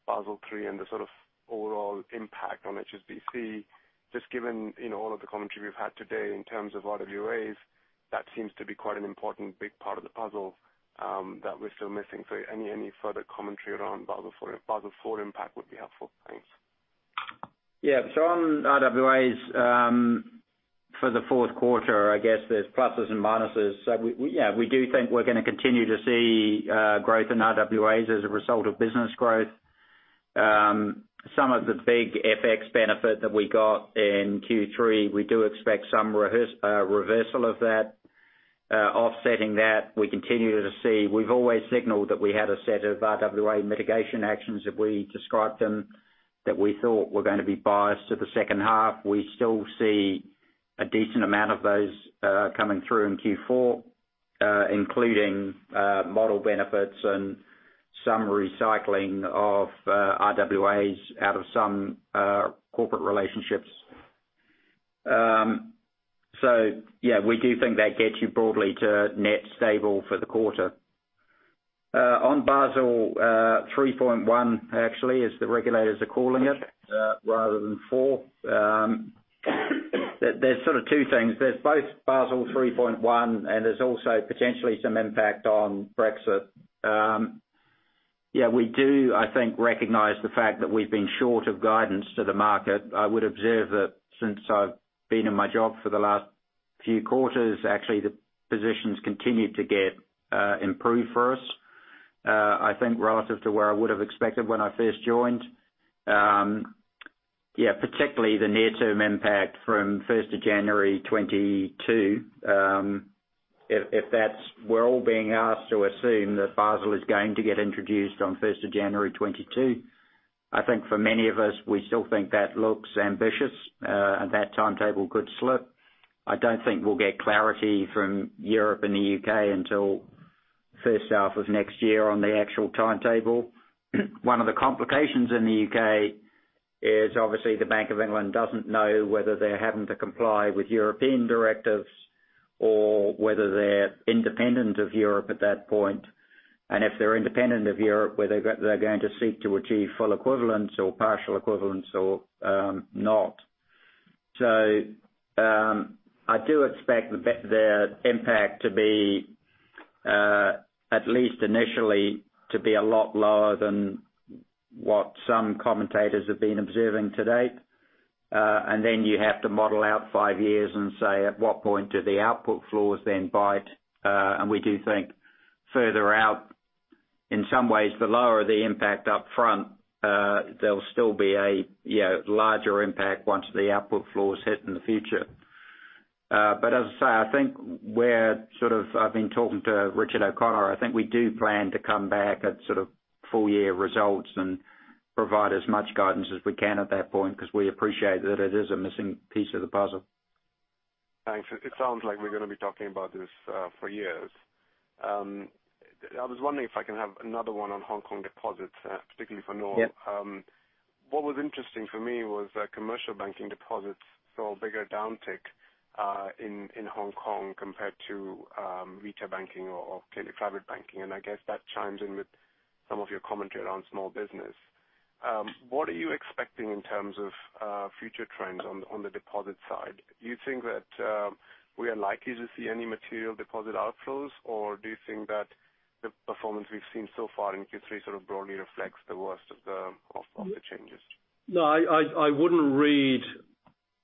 Basel III and the sort of overall impact on HSBC, just given all of the commentary we've had today in terms of RWAs. That seems to be quite an important big part of the puzzle that we're still missing. Any further commentary around Basel IV impact would be helpful. Thanks. Yeah. On RWAs for the fourth quarter, I guess there's pluses and minuses. Yeah, we do think we're going to continue to see growth in RWAs as a result of business growth. Some of the big FX benefit that we got in Q3, we do expect some reversal of that. Offsetting that, we've always signaled that we had a set of RWA mitigation actions if we described them, that we thought were going to be biased to the second half. We still see a decent amount of those coming through in Q4 including model benefits and some recycling of RWAs out of some corporate relationships. Yeah, we do think that gets you broadly to net stable for the quarter. On Basel 3.1, actually, as the regulators are calling it, rather than 4. There's sort of two things. There's both Basel 3.1, and there's also potentially some impact on Brexit. We do, I think, recognize the fact that we've been short of guidance to the market. I would observe that since I've been in my job for the last few quarters, actually, the positions continue to get improved for us. I think relative to where I would have expected when I first joined. Particularly the near-term impact from 1st of January 2022. We're all being asked to assume that Basel is going to get introduced on 1st of January 2022. I think for many of us, we still think that looks ambitious, and that timetable could slip. I don't think we'll get clarity from Europe and the U.K. until first half of next year on the actual timetable. One of the complications in the U.K. is obviously the Bank of England doesn't know whether they're having to comply with European directives or whether they're independent of Europe at that point. If they're independent of Europe, whether they're going to seek to achieve full equivalence or partial equivalence or not. I do expect the impact to be, at least initially, to be a lot lower than what some commentators have been observing to date. Then you have to model out five years and say, at what point do the output floors then bite? We do think further out, in some ways, the lower the impact up front, there'll still be a larger impact once the output floors hit in the future. As I say, I've been talking to Richard O'Connor, I think we do plan to come back at full year results and provide as much guidance as we can at that point, because we appreciate that it is a missing piece of the puzzle. Thanks. It sounds like we're going to be talking about this for years. I was wondering if I can have another one on Hong Kong deposits, particularly for Noel? What was interesting for me was that commercial banking deposits saw a bigger downtick in Hong Kong compared to retail banking or clearly private banking, and I guess that chimes in with some of your commentary around small business. What are you expecting in terms of future trends on the deposit side? Do you think that we are likely to see any material deposit outflows, or do you think that the performance we've seen so far in 3Q sort of broadly reflects the worst of the changes? I wouldn't read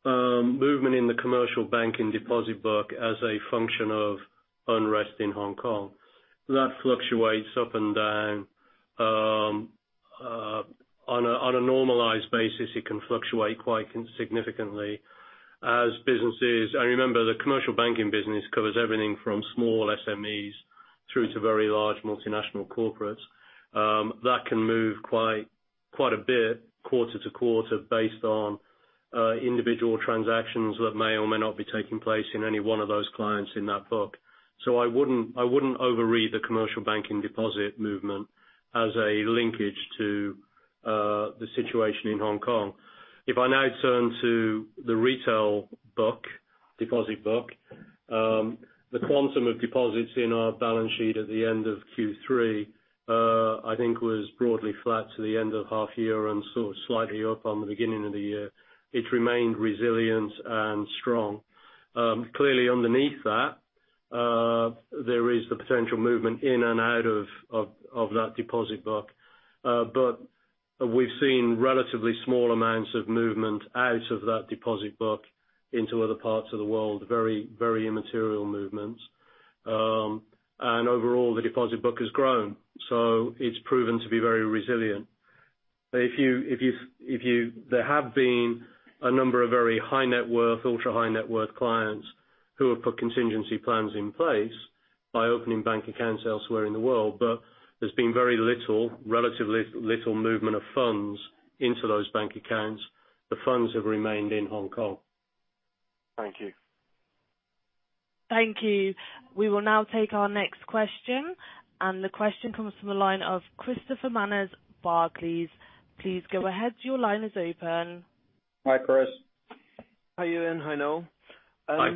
movement in the commercial banking deposit book as a function of unrest in Hong Kong. That fluctuates up and down. On a normalized basis, it can fluctuate quite significantly as businesses. Remember, the commercial banking business covers everything from small SMEs through to very large multinational corporates. That can move quite a bit quarter-to-quarter based on individual transactions that may or may not be taking place in any one of those clients in that book. I wouldn't overread the commercial banking deposit movement as a linkage to the situation in Hong Kong. If I now turn to the retail book, deposit book, the quantum of deposits in our balance sheet at the end of Q3, I think was broadly flat to the end of half year and sort of slightly up on the beginning of the year. It remained resilient and strong. Clearly underneath that, there is the potential movement in and out of that deposit book. We've seen relatively small amounts of movement out of that deposit book into other parts of the world. Very immaterial movements. Overall, the deposit book has grown, so it's proven to be very resilient. There have been a number of very high net worth, ultra high net worth clients who have put contingency plans in place by opening bank accounts elsewhere in the world. There's been very little, relatively little movement of funds into those bank accounts. The funds have remained in Hong Kong. Thank you. Thank you. We will now take our next question. The question comes from the line of Christopher Manners, Barclays. Please go ahead. Your line is open. Hi, Chris. Hi, Ewen. Hi, Noel. Hi.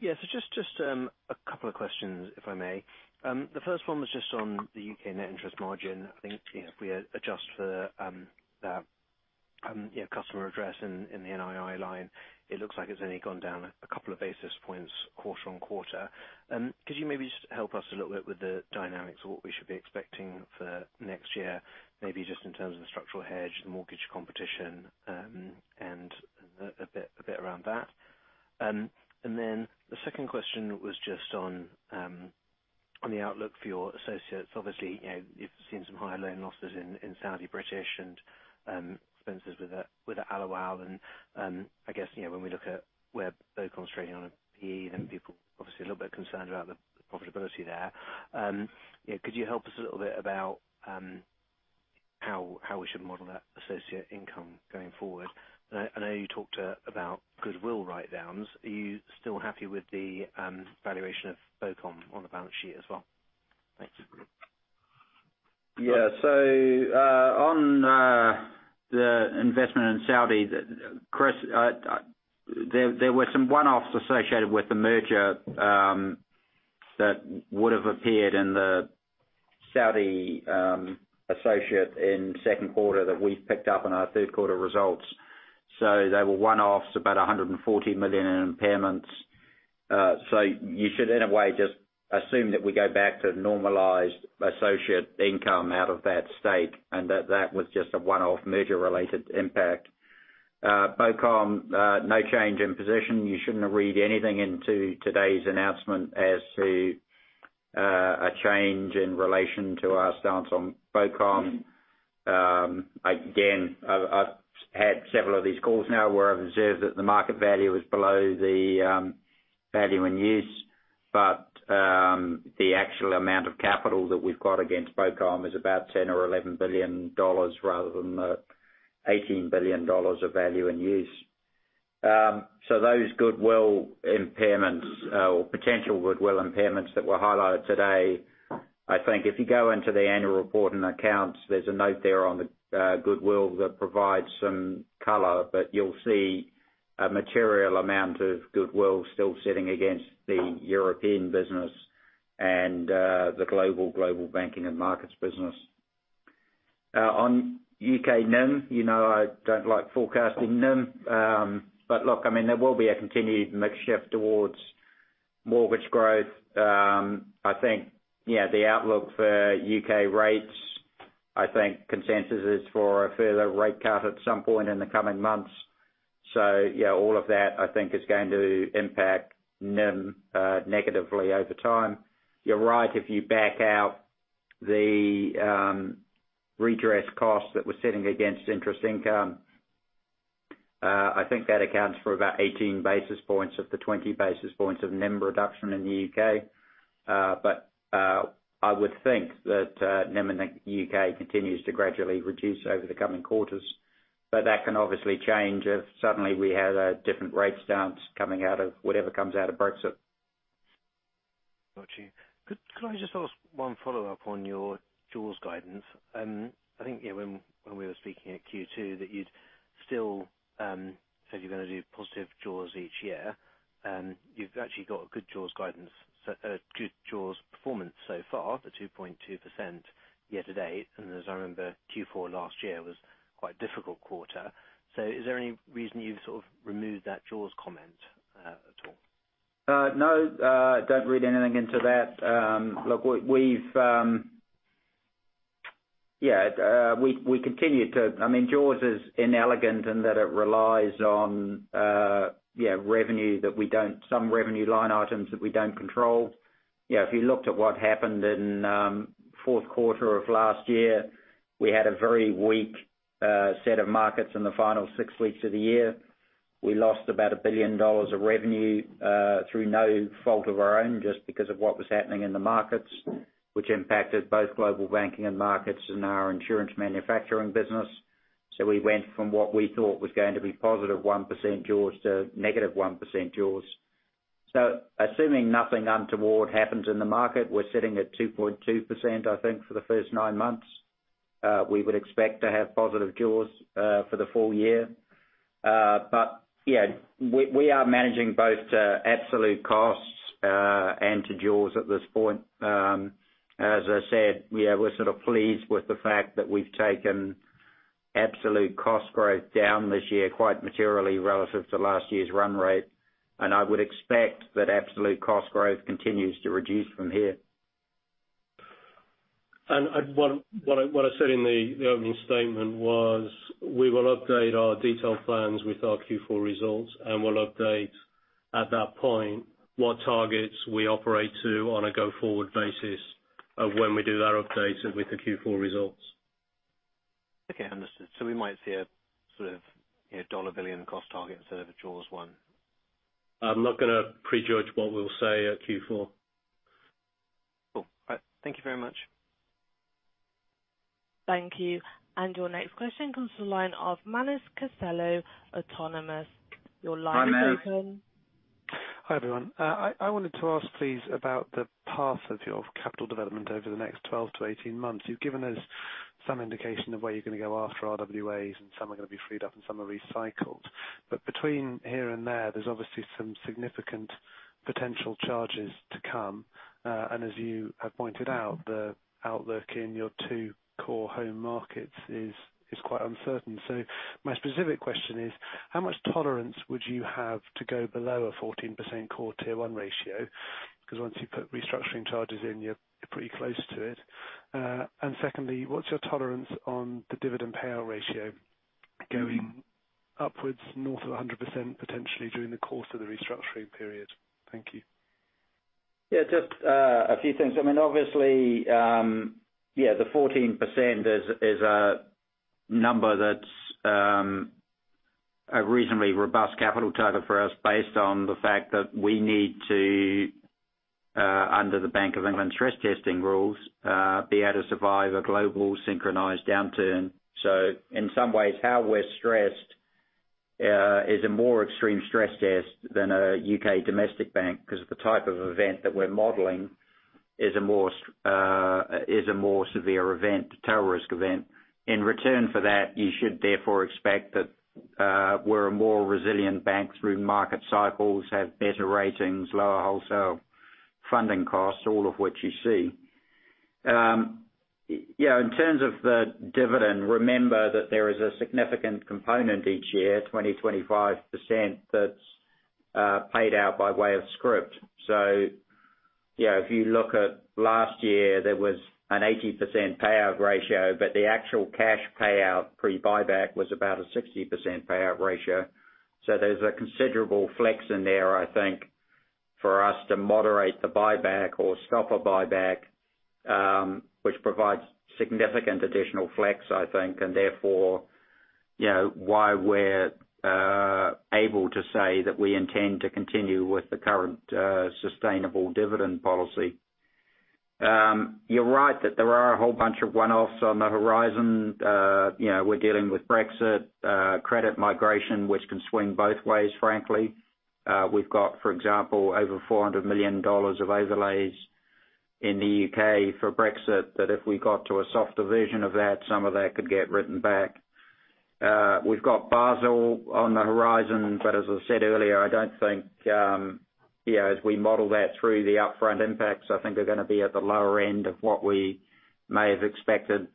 Yeah. Just a couple of questions, if I may. The first one was just on the U.K. net interest margin. I think if we adjust for the customer redress charges in the NII line, it looks like it's only gone down a couple of basis points quarter-on-quarter. Could you maybe just help us a little bit with the dynamics of what we should be expecting for next year? Maybe just in terms of the structural hedge, the mortgage competition, and a bit around that. The second question was just on the outlook for your associates. Obviously, you've seen some higher loan losses in Saudi British and expenses with Alawwal, and I guess when we look at where BoCom's trading on a P/E, people are obviously a little bit concerned about the profitability there. Could you help us a little bit about how we should model that associate income going forward? I know you talked about goodwill writedowns. Are you still happy with the valuation of BoCom on the balance sheet as well? Thanks. Yeah. On the investment in Saudi, Chris, there were some one-offs associated with the merger that would have appeared in the Saudi associate in second quarter that we've picked up in our third quarter results. They were one-offs, about $140 million in impairments. You should in a way, just assume that we go back to normalized associate income out of that stake, and that was just a one-off merger related impact. BoCom, no change in position. You shouldn't read anything into today's announcement as to a change in relation to our stance on BoCom. Again, I've had several of these calls now where I've observed that the market value is below the value in use. The actual amount of capital that we've got against BoCom is about $10 or $11 billion rather than the $18 billion of value in use. Those goodwill impairments or potential goodwill impairments that were highlighted today, I think if you go into the annual report and accounts, there's a note there on the goodwill that provides some color. You'll see a material amount of goodwill still sitting against the European business and the Global Banking and Markets business. On U.K. NIM, you know I don't like forecasting NIM. Look, there will be a continued mix shift towards mortgage growth. I think, the outlook for U.K. rates, I think consensus is for a further rate cut at some point in the coming months. All of that I think is going to impact NIM negatively over time. You're right. If you back out the redress costs that were sitting against interest income, I think that accounts for about 18 basis points of the 20 basis points of NIM reduction in the U.K. I would think that NIM in the U.K. continues to gradually reduce over the coming quarters. That can obviously change if suddenly we had different rate stances coming out of whatever comes out of Brexit. Got you. Could I just ask one follow-up on your jaws guidance? I think when we were speaking at Q2, that you'd still said you're going to do positive jaws each year. You've actually got a good jaws performance so far for 2.2% year to date. As I remember, Q4 last year was quite a difficult quarter. Is there any reason you've sort of removed that jaws comment at all? No, don't read anything into that. jaws is inelegant in that it relies on some revenue line items that we don't control. If you looked at what happened in 4th quarter of last year, we had a very weak set of markets in the final six weeks of the year. We lost about $1 billion of revenue through no fault of our own, just because of what was happening in the markets, which impacted both Global Banking and Markets and our insurance manufacturing business. We went from what we thought was going to be positive 1% jaws to negative 1% jaws. Assuming nothing untoward happens in the market, we're sitting at 2.2%, I think, for the first nine months. We would expect to have positive jaws for the full year. Yeah, we are managing both to absolute costs, and to jaws at this point. As I said, we're sort of pleased with the fact that we've taken absolute cost growth down this year quite materially relative to last year's run rate. I would expect that absolute cost growth continues to reduce from here. What I said in the opening statement was we will update our detailed plans with our Q4 results, and we'll update at that point what targets we operate to on a go-forward basis of when we do that update with the Q4 results. Okay, understood. We might see a $1 billion cost target instead of a jaws one. I'm not going to prejudge what we'll say at Q4. Cool. All right. Thank you very much. Thank you. Your next question comes from the line of Manus Costello, Autonomous. Your line is open. Hi, Manus. Hi, everyone. I wanted to ask, please, about the path of your capital development over the next 12-18 months. You've given us some indication of where you're going to go after RWAs, and some are going to be freed up and some are recycled. Between here and there's obviously some significant potential charges to come. As you have pointed out, the outlook in your two core home markets is quite uncertain. My specific question is, how much tolerance would you have to go below a 14% core Tier 1 ratio? Because once you put restructuring charges in, you're pretty close to it. Secondly, what's your tolerance on the dividend payout ratio going upwards north of 100%, potentially during the course of the restructuring period? Thank you. Just a few things. Obviously, the 14% is a reasonably robust capital target for us based on the fact that we need to, under the Bank of England stress testing rules, be able to survive a global synchronized downturn. In some ways, how we're stressed is a more extreme stress test than a U.K. domestic bank, because the type of event that we're modeling is a more severe event, a tail risk event. In return for that, you should therefore expect that we're a more resilient bank through market cycles, have better ratings, lower wholesale funding costs, all of which you see. In terms of the dividend, remember that there is a significant component each year, 20%-25%, that's paid out by way of scrip. If you look at last year, there was an 80% payout ratio, but the actual cash payout pre-buyback was about a 60% payout ratio. There's a considerable flex in there, I think, for us to moderate the buyback or stop a buyback, which provides significant additional flex, I think, and therefore, why we're able to say that we intend to continue with the current sustainable dividend policy. You're right that there are a whole bunch of one-offs on the horizon. We're dealing with Brexit, credit migration, which can swing both ways, frankly. We've got, for example, over $400 million of overlays in the U.K. for Brexit, that if we got to a softer version of that, some of that could get written back. We've got Basel on the horizon. As I said earlier, as we model that through the upfront impacts, I think they're going to be at the lower end of what we may have expected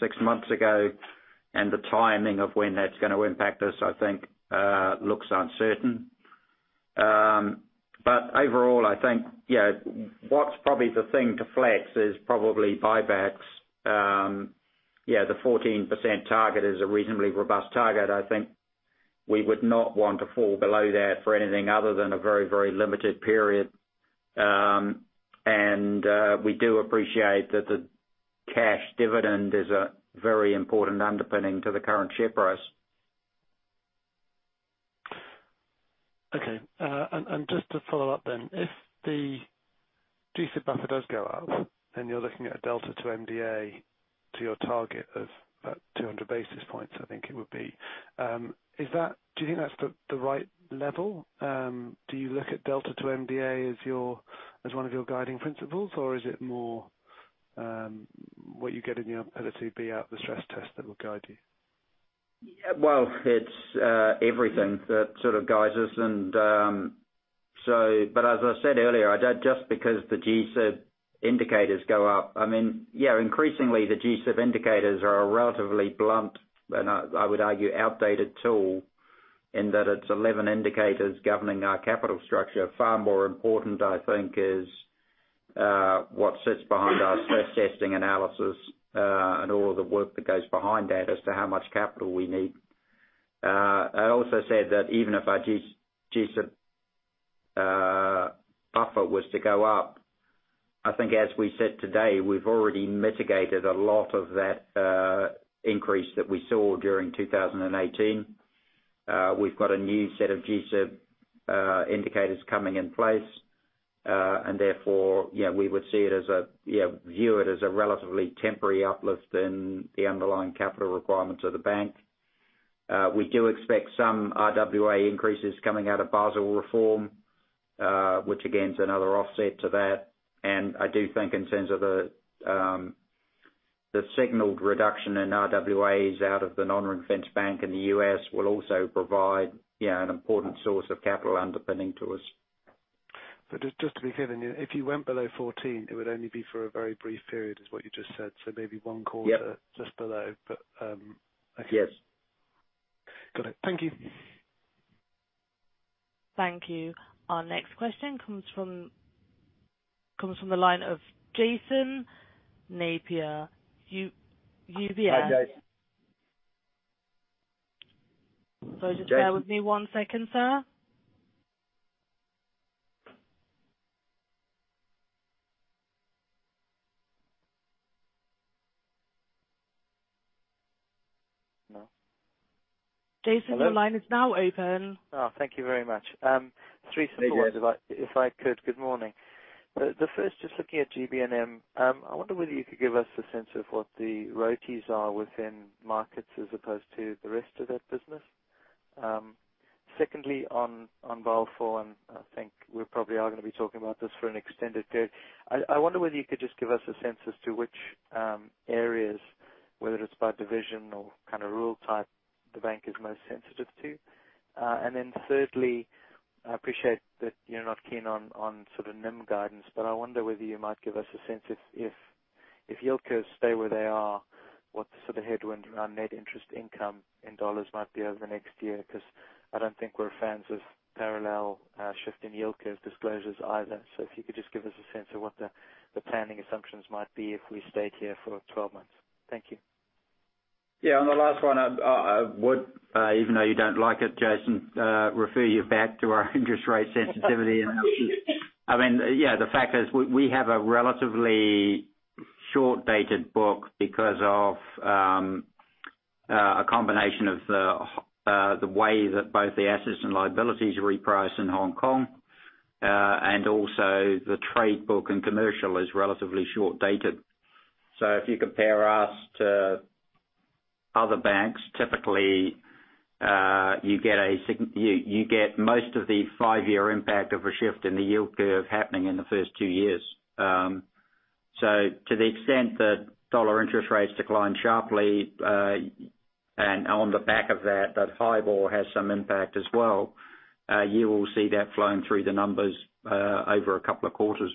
six months ago. The timing of when that's going to impact us, I think, looks uncertain. Overall, I think what's probably the thing to flex is probably buybacks. The 14% target is a reasonably robust target. I think we would not want to fall below that for anything other than a very, very limited period. We do appreciate that the cash dividend is a very important underpinning to the current share price. Okay. Just to follow up, if the G-SIB buffer does go up and you're looking at a delta to MDA to your target of about 200 basis points, I think it would be. Do you think that's the right level? Do you look at delta to MDA as one of your guiding principles? Is it more what you get in your ability to be out the stress test that will guide you? Well, it's everything that sort of guides us. As I said earlier, just because the G-SIB indicators go up, I mean, yeah, increasingly the G-SIB indicators are a relatively blunt and, I would argue, outdated tool in that it's 11 indicators governing our capital structure. Far more important, I think, is what sits behind our stress testing analysis, and all of the work that goes behind that as to how much capital we need. I also said that even if our G-SIB buffer was to go up, I think as we sit today, we've already mitigated a lot of that increase that we saw during 2018. We've got a new set of G-SIB indicators coming in place. Therefore, we would view it as a relatively temporary uplift in the underlying capital requirements of the bank. We do expect some RWAs increases coming out of Basel reform, which again is another offset to that. I do think in terms of the signaled reduction in RWAs out of the non-ring-fenced bank in the U.S. will also provide an important source of capital underpinning to us. Just to be clear then, if you went below 14, it would only be for a very brief period, is what you just said. Maybe one quarter just below. Okay. Yes. Got it. Thank you. Thank you. Our next question comes from the line of Jason Napier, UBS. Hi, Jason. Just bear with me one second, sir. No? Hello? Your line is now open. Oh, thank you very much. Three simple ones. Hey, Jason. If I could. Good morning. The first, just looking at GB&M, I wonder whether you could give us a sense of what the ROTEs are within markets as opposed to the rest of that business. Secondly, on Basel IV, and I think we probably are going to be talking about this for an extended period. I wonder whether you could just give us a sense as to which areas, whether it's by division or rule type, the bank is most sensitive to. Thirdly, I appreciate that you're not keen on NIM guidance, but I wonder whether you might give us a sense if yield curves stay where they are, what the headwind around net interest income in dollars might be over the next year, because I don't think we're fans of parallel shift in yield curve disclosures either. If you could just give us a sense of what the planning assumptions might be if we stayed here for 12 months. Thank you. On the last one, I would, even though you don't like it, Jason, refer you back to our interest rate sensitivity analysis. The fact is we have a relatively short dated book because of a combination of the way that both the assets and liabilities reprice in Hong Kong, and also the trade book and commercial is relatively short dated. If you compare us to other banks, typically, you get most of the 5-year impact of a shift in the yield curve happening in the first two years. To the extent that USD interest rates decline sharply, and on the back of that HIBOR has some impact as well. You will see that flowing through the numbers over a couple of quarters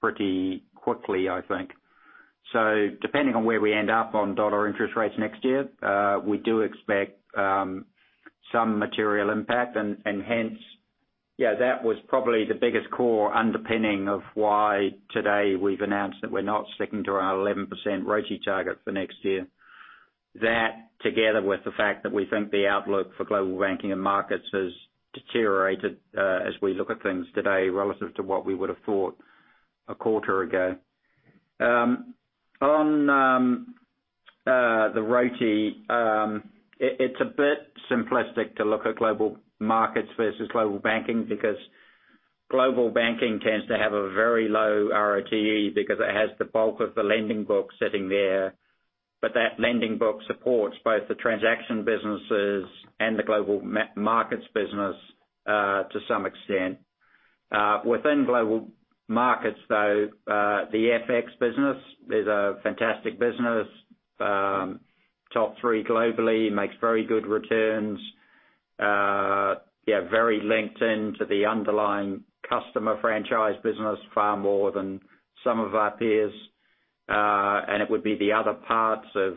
pretty quickly, I think. Depending on where we end up on dollar interest rates next year, we do expect some material impact and hence, yeah, that was probably the biggest core underpinning of why today we've announced that we're not sticking to our 11% ROTE target for next year. That, together with the fact that we think the outlook for Global Banking and Markets has deteriorated, as we look at things today relative to what we would have thought a quarter ago. On the ROTE, it's a bit simplistic to look at Global Markets versus Global Banking, because Global Banking tends to have a very low ROTE because it has the bulk of the lending book sitting there. That lending book supports both the transaction businesses and the Global Markets business, to some extent. Within Global Markets, though, the FX business is a fantastic business. Top three globally, makes very good returns. Yeah, very linked in to the underlying customer franchise business, far more than some of our peers. It would be the other parts of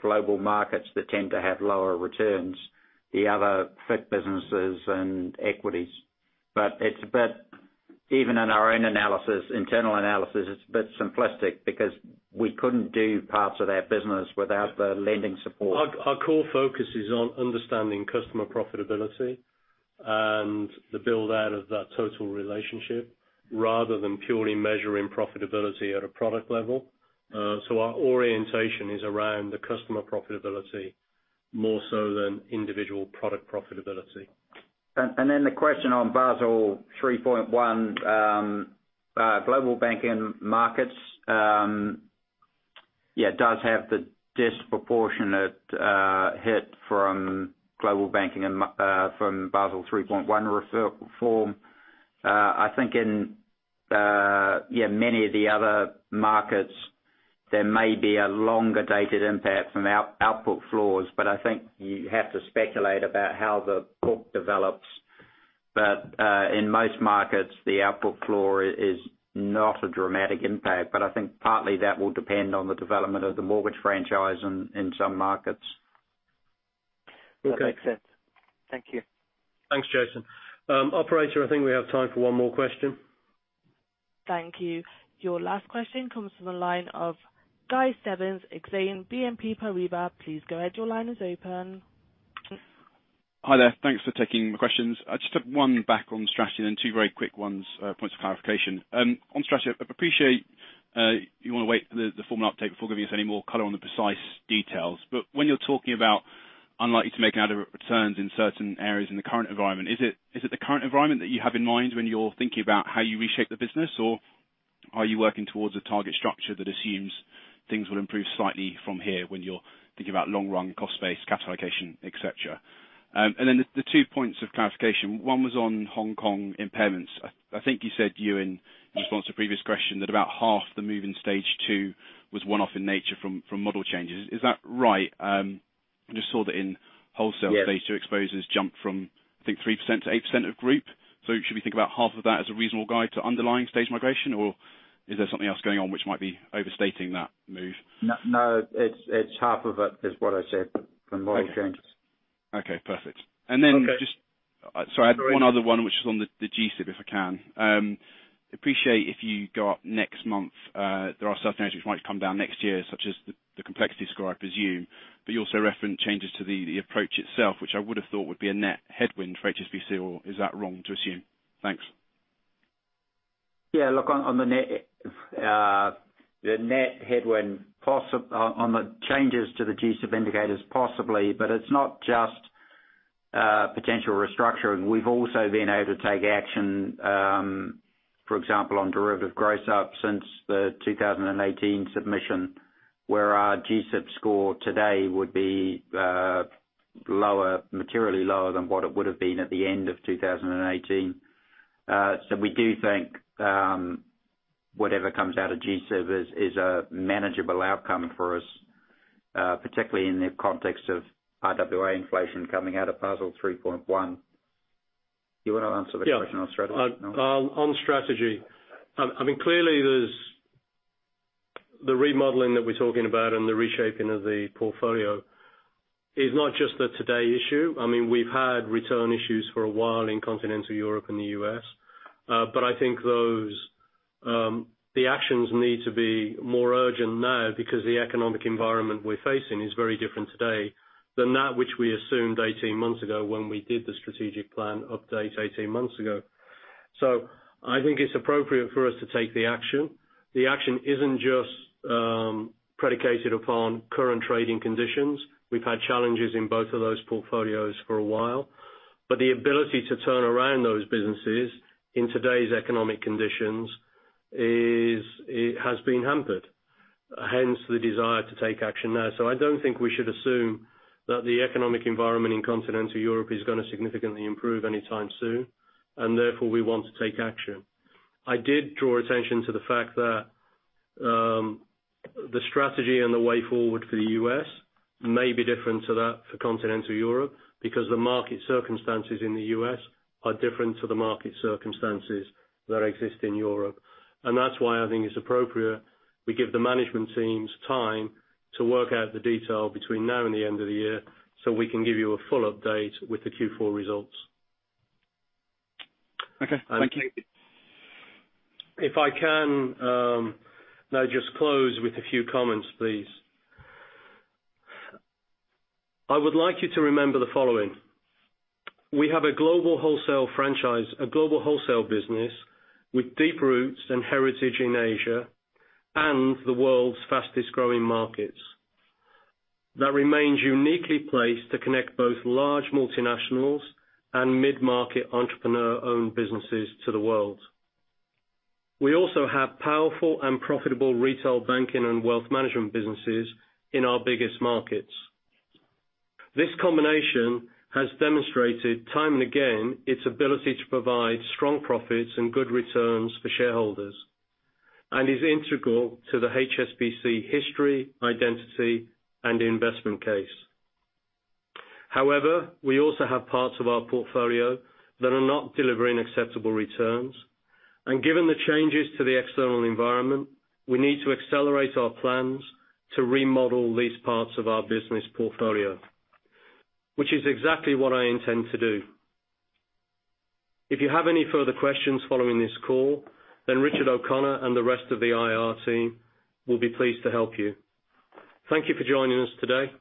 global markets that tend to have lower returns, the other FICC businesses and equities. Even in our own analysis, internal analysis, it's a bit simplistic because we couldn't do parts of that business without the lending support. Our core focus is on understanding customer profitability and the build-out of that total relationship rather than purely measuring profitability at a product level. Our orientation is around the customer profitability more so than individual product profitability. Then the question on Basel 3.1, Global Banking and Markets. Yeah, it does have the disproportionate hit from Global Banking and from Basel 3.1 reform. I think in many of the other markets, there may be a longer dated impact from output floors, but I think you have to speculate about how the book develops. In most markets, the output floor is not a dramatic impact, but I think partly that will depend on the development of the mortgage franchise in some markets. Okay. That makes sense. Thank you. Thanks, Jason. Operator, I think we have time for one more question. Thank you. Your last question comes from the line of Guy Stebbings, Exane BNP Paribas. Please go ahead. Your line is open. Hi there. Thanks for taking my questions. I just have one back on strategy and two very quick ones, points of clarification. On strategy, I appreciate you want to wait for the formal update before giving us any more color on the precise details. When you're talking about unlikely to make adequate returns in certain areas in the current environment, is it the current environment that you have in mind when you're thinking about how you reshape the business? Are you working towards a target structure that assumes things will improve slightly from here when you're thinking about long run cost base, capitalization, et cetera? The two points of clarification. One was on Hong Kong impairments. I think you said, Ewen, in response to a previous question that about half the move in Stage 2 was one-off in nature from model changes. Is that right? I just saw that in wholesale Stage 2 exposures jumped from I think 3%-8% of group. Should we think about half of that as a reasonable guide to underlying stage migration? Is there something else going on which might be overstating that move? No, half of it is what I said from model changes. Okay. Perfect. Okay. Just Sorry, I have one other one, which is on the G-SIB, if I can. Appreciate if you go up next month, there are certain areas which might come down next year, such as the complexity score, I presume. You also referenced changes to the approach itself, which I would have thought would be a net headwind for HSBC, or is that wrong to assume? Thanks. Yeah. Look, on the net headwind on the changes to the G-SIB indicators, possibly. It's not just potential restructuring. We've also been able to take action, for example, on derivative gross-ups since the 2018 submission, where our G-SIB score today would be lower, materially lower than what it would have been at the end of 2018. We do think whatever comes out of G-SIB is a manageable outcome for us, particularly in the context of RWA inflation coming out of Basel 3.1. You want to answer the question on strategy? Yeah. On strategy. Clearly, the remodeling that we're talking about and the reshaping of the portfolio is not just the today issue. We've had return issues for a while in continental Europe and the U.S. I think the actions need to be more urgent now because the economic environment we're facing is very different today than that which we assumed 18 months ago when we did the strategic plan update 18 months ago. I think it's appropriate for us to take the action. The action isn't just predicated upon current trading conditions. We've had challenges in both of those portfolios for a while, but the ability to turn around those businesses in today's economic conditions has been hampered. Hence, the desire to take action now. I don't think we should assume that the economic environment in continental Europe is going to significantly improve anytime soon, and therefore, we want to take action. I did draw attention to the fact that the strategy and the way forward for the U.S. may be different to that for continental Europe because the market circumstances in the U.S. are different to the market circumstances that exist in Europe. That's why I think it's appropriate we give the management teams time to work out the detail between now and the end of the year so we can give you a full update with the Q4 results. Okay. Thank you. If I can now just close with a few comments, please. I would like you to remember the following. We have a global wholesale franchise, a global wholesale business with deep roots and heritage in Asia, and the world's fastest-growing markets that remains uniquely placed to connect both large multinationals and mid-market entrepreneur-owned businesses to the world. We also have powerful and profitable retail banking and wealth management businesses in our biggest markets. This combination has demonstrated time and again its ability to provide strong profits and good returns for shareholders and is integral to the HSBC history, identity, and investment case. However, we also have parts of our portfolio that are not delivering acceptable returns. Given the changes to the external environment, we need to accelerate our plans to remodel these parts of our business portfolio, which is exactly what I intend to do. If you have any further questions following this call, then Richard O'Connor and the rest of the IR team will be pleased to help you. Thank you for joining us today.